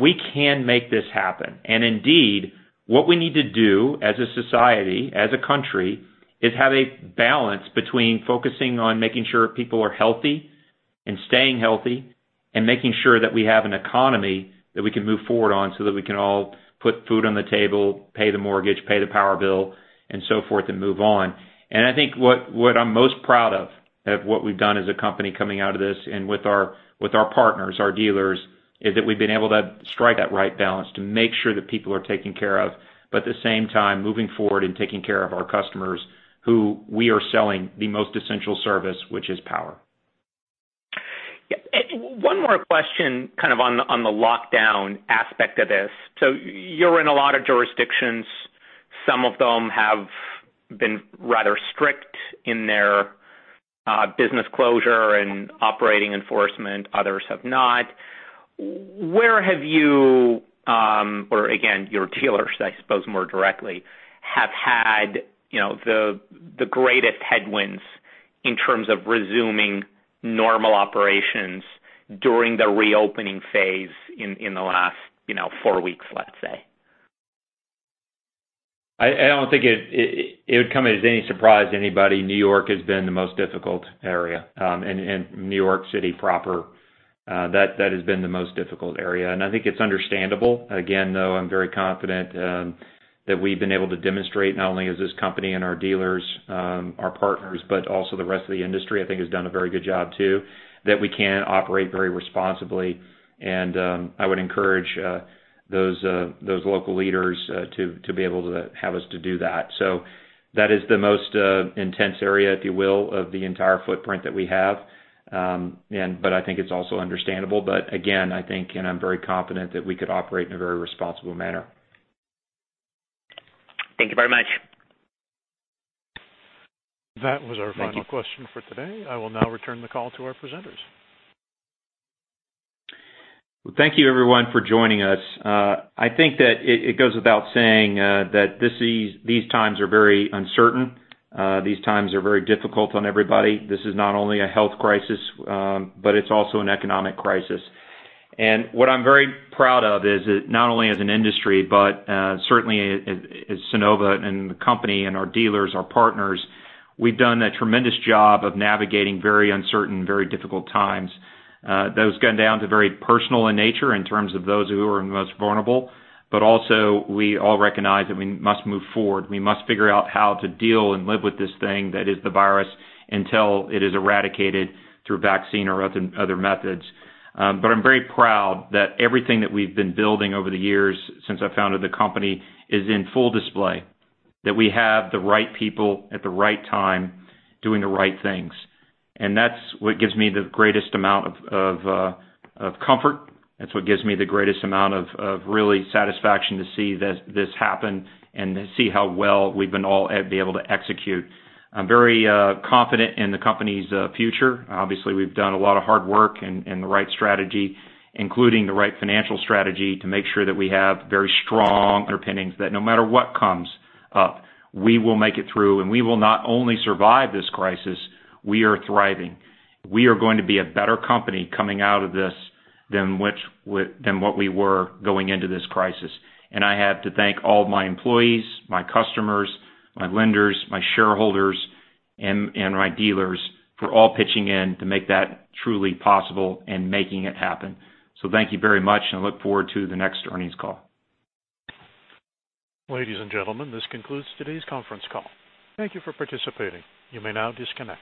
We can make this happen. Indeed, what we need to do as a society, as a country, is have a balance between focusing on making sure people are healthy and staying healthy, and making sure that we have an economy that we can move forward on so that we can all put food on the table, pay the mortgage, pay the power bill, and so forth, and move on. I think what I'm most proud of what we've done as a company coming out of this and with our partners, our dealers, is that we've been able to strike that right balance to make sure that people are taken care of, but at the same time, moving forward and taking care of our customers who we are selling the most essential service, which is power. One more question on the lockdown aspect of this. You're in a lot of jurisdictions. Some of them have been rather strict in their business closure and operating enforcement. Others have not. Where have you or again, your dealers, I suppose, more directly, have had the greatest headwinds in terms of resuming normal operations during the reopening phase in the last four weeks, let's say? I don't think it would come as any surprise to anybody, New York has been the most difficult area. New York City proper, that has been the most difficult area. I think it's understandable. Again, though, I'm very confident that we've been able to demonstrate not only as this company and our dealers, our partners, but also the rest of the industry, I think, has done a very good job, too, that we can operate very responsibly. I would encourage those local leaders to be able to have us to do that. That is the most intense area, if you will, of the entire footprint that we have. I think it's also understandable. Again, I think, and I'm very confident that we could operate in a very responsible manner. Thank you very much. That was our final question for today. I will now return the call to our presenters. Well, thank you, everyone, for joining us. I think that it goes without saying that these times are very uncertain. These times are very difficult on everybody. This is not only a health crisis, but it's also an economic crisis. What I'm very proud of is not only as an industry, but certainly as Sunnova and the company and our dealers, our partners, we've done a tremendous job of navigating very uncertain, very difficult times. Those going down to very personal in nature in terms of those who are the most vulnerable. Also, we all recognize that we must move forward. We must figure out how to deal and live with this thing that is the virus until it is eradicated through vaccine or other methods. I'm very proud that everything that we've been building over the years since I founded the company is in full display. That we have the right people at the right time doing the right things. That's what gives me the greatest amount of comfort. That's what gives me the greatest amount of really satisfaction to see this happen and to see how well we've been all able to execute. I'm very confident in the company's future. Obviously, we've done a lot of hard work and the right strategy, including the right financial strategy, to make sure that we have very strong underpinnings. That no matter what comes up, we will make it through, and we will not only survive this crisis, we are thriving. We are going to be a better company coming out of this than what we were going into this crisis. I have to thank all my employees, my customers, my lenders, my shareholders, and my dealers for all pitching in to make that truly possible and making it happen. Thank you very much, and I look forward to the next earnings call. Ladies and gentlemen, this concludes today's conference call. Thank you for participating. You may now disconnect.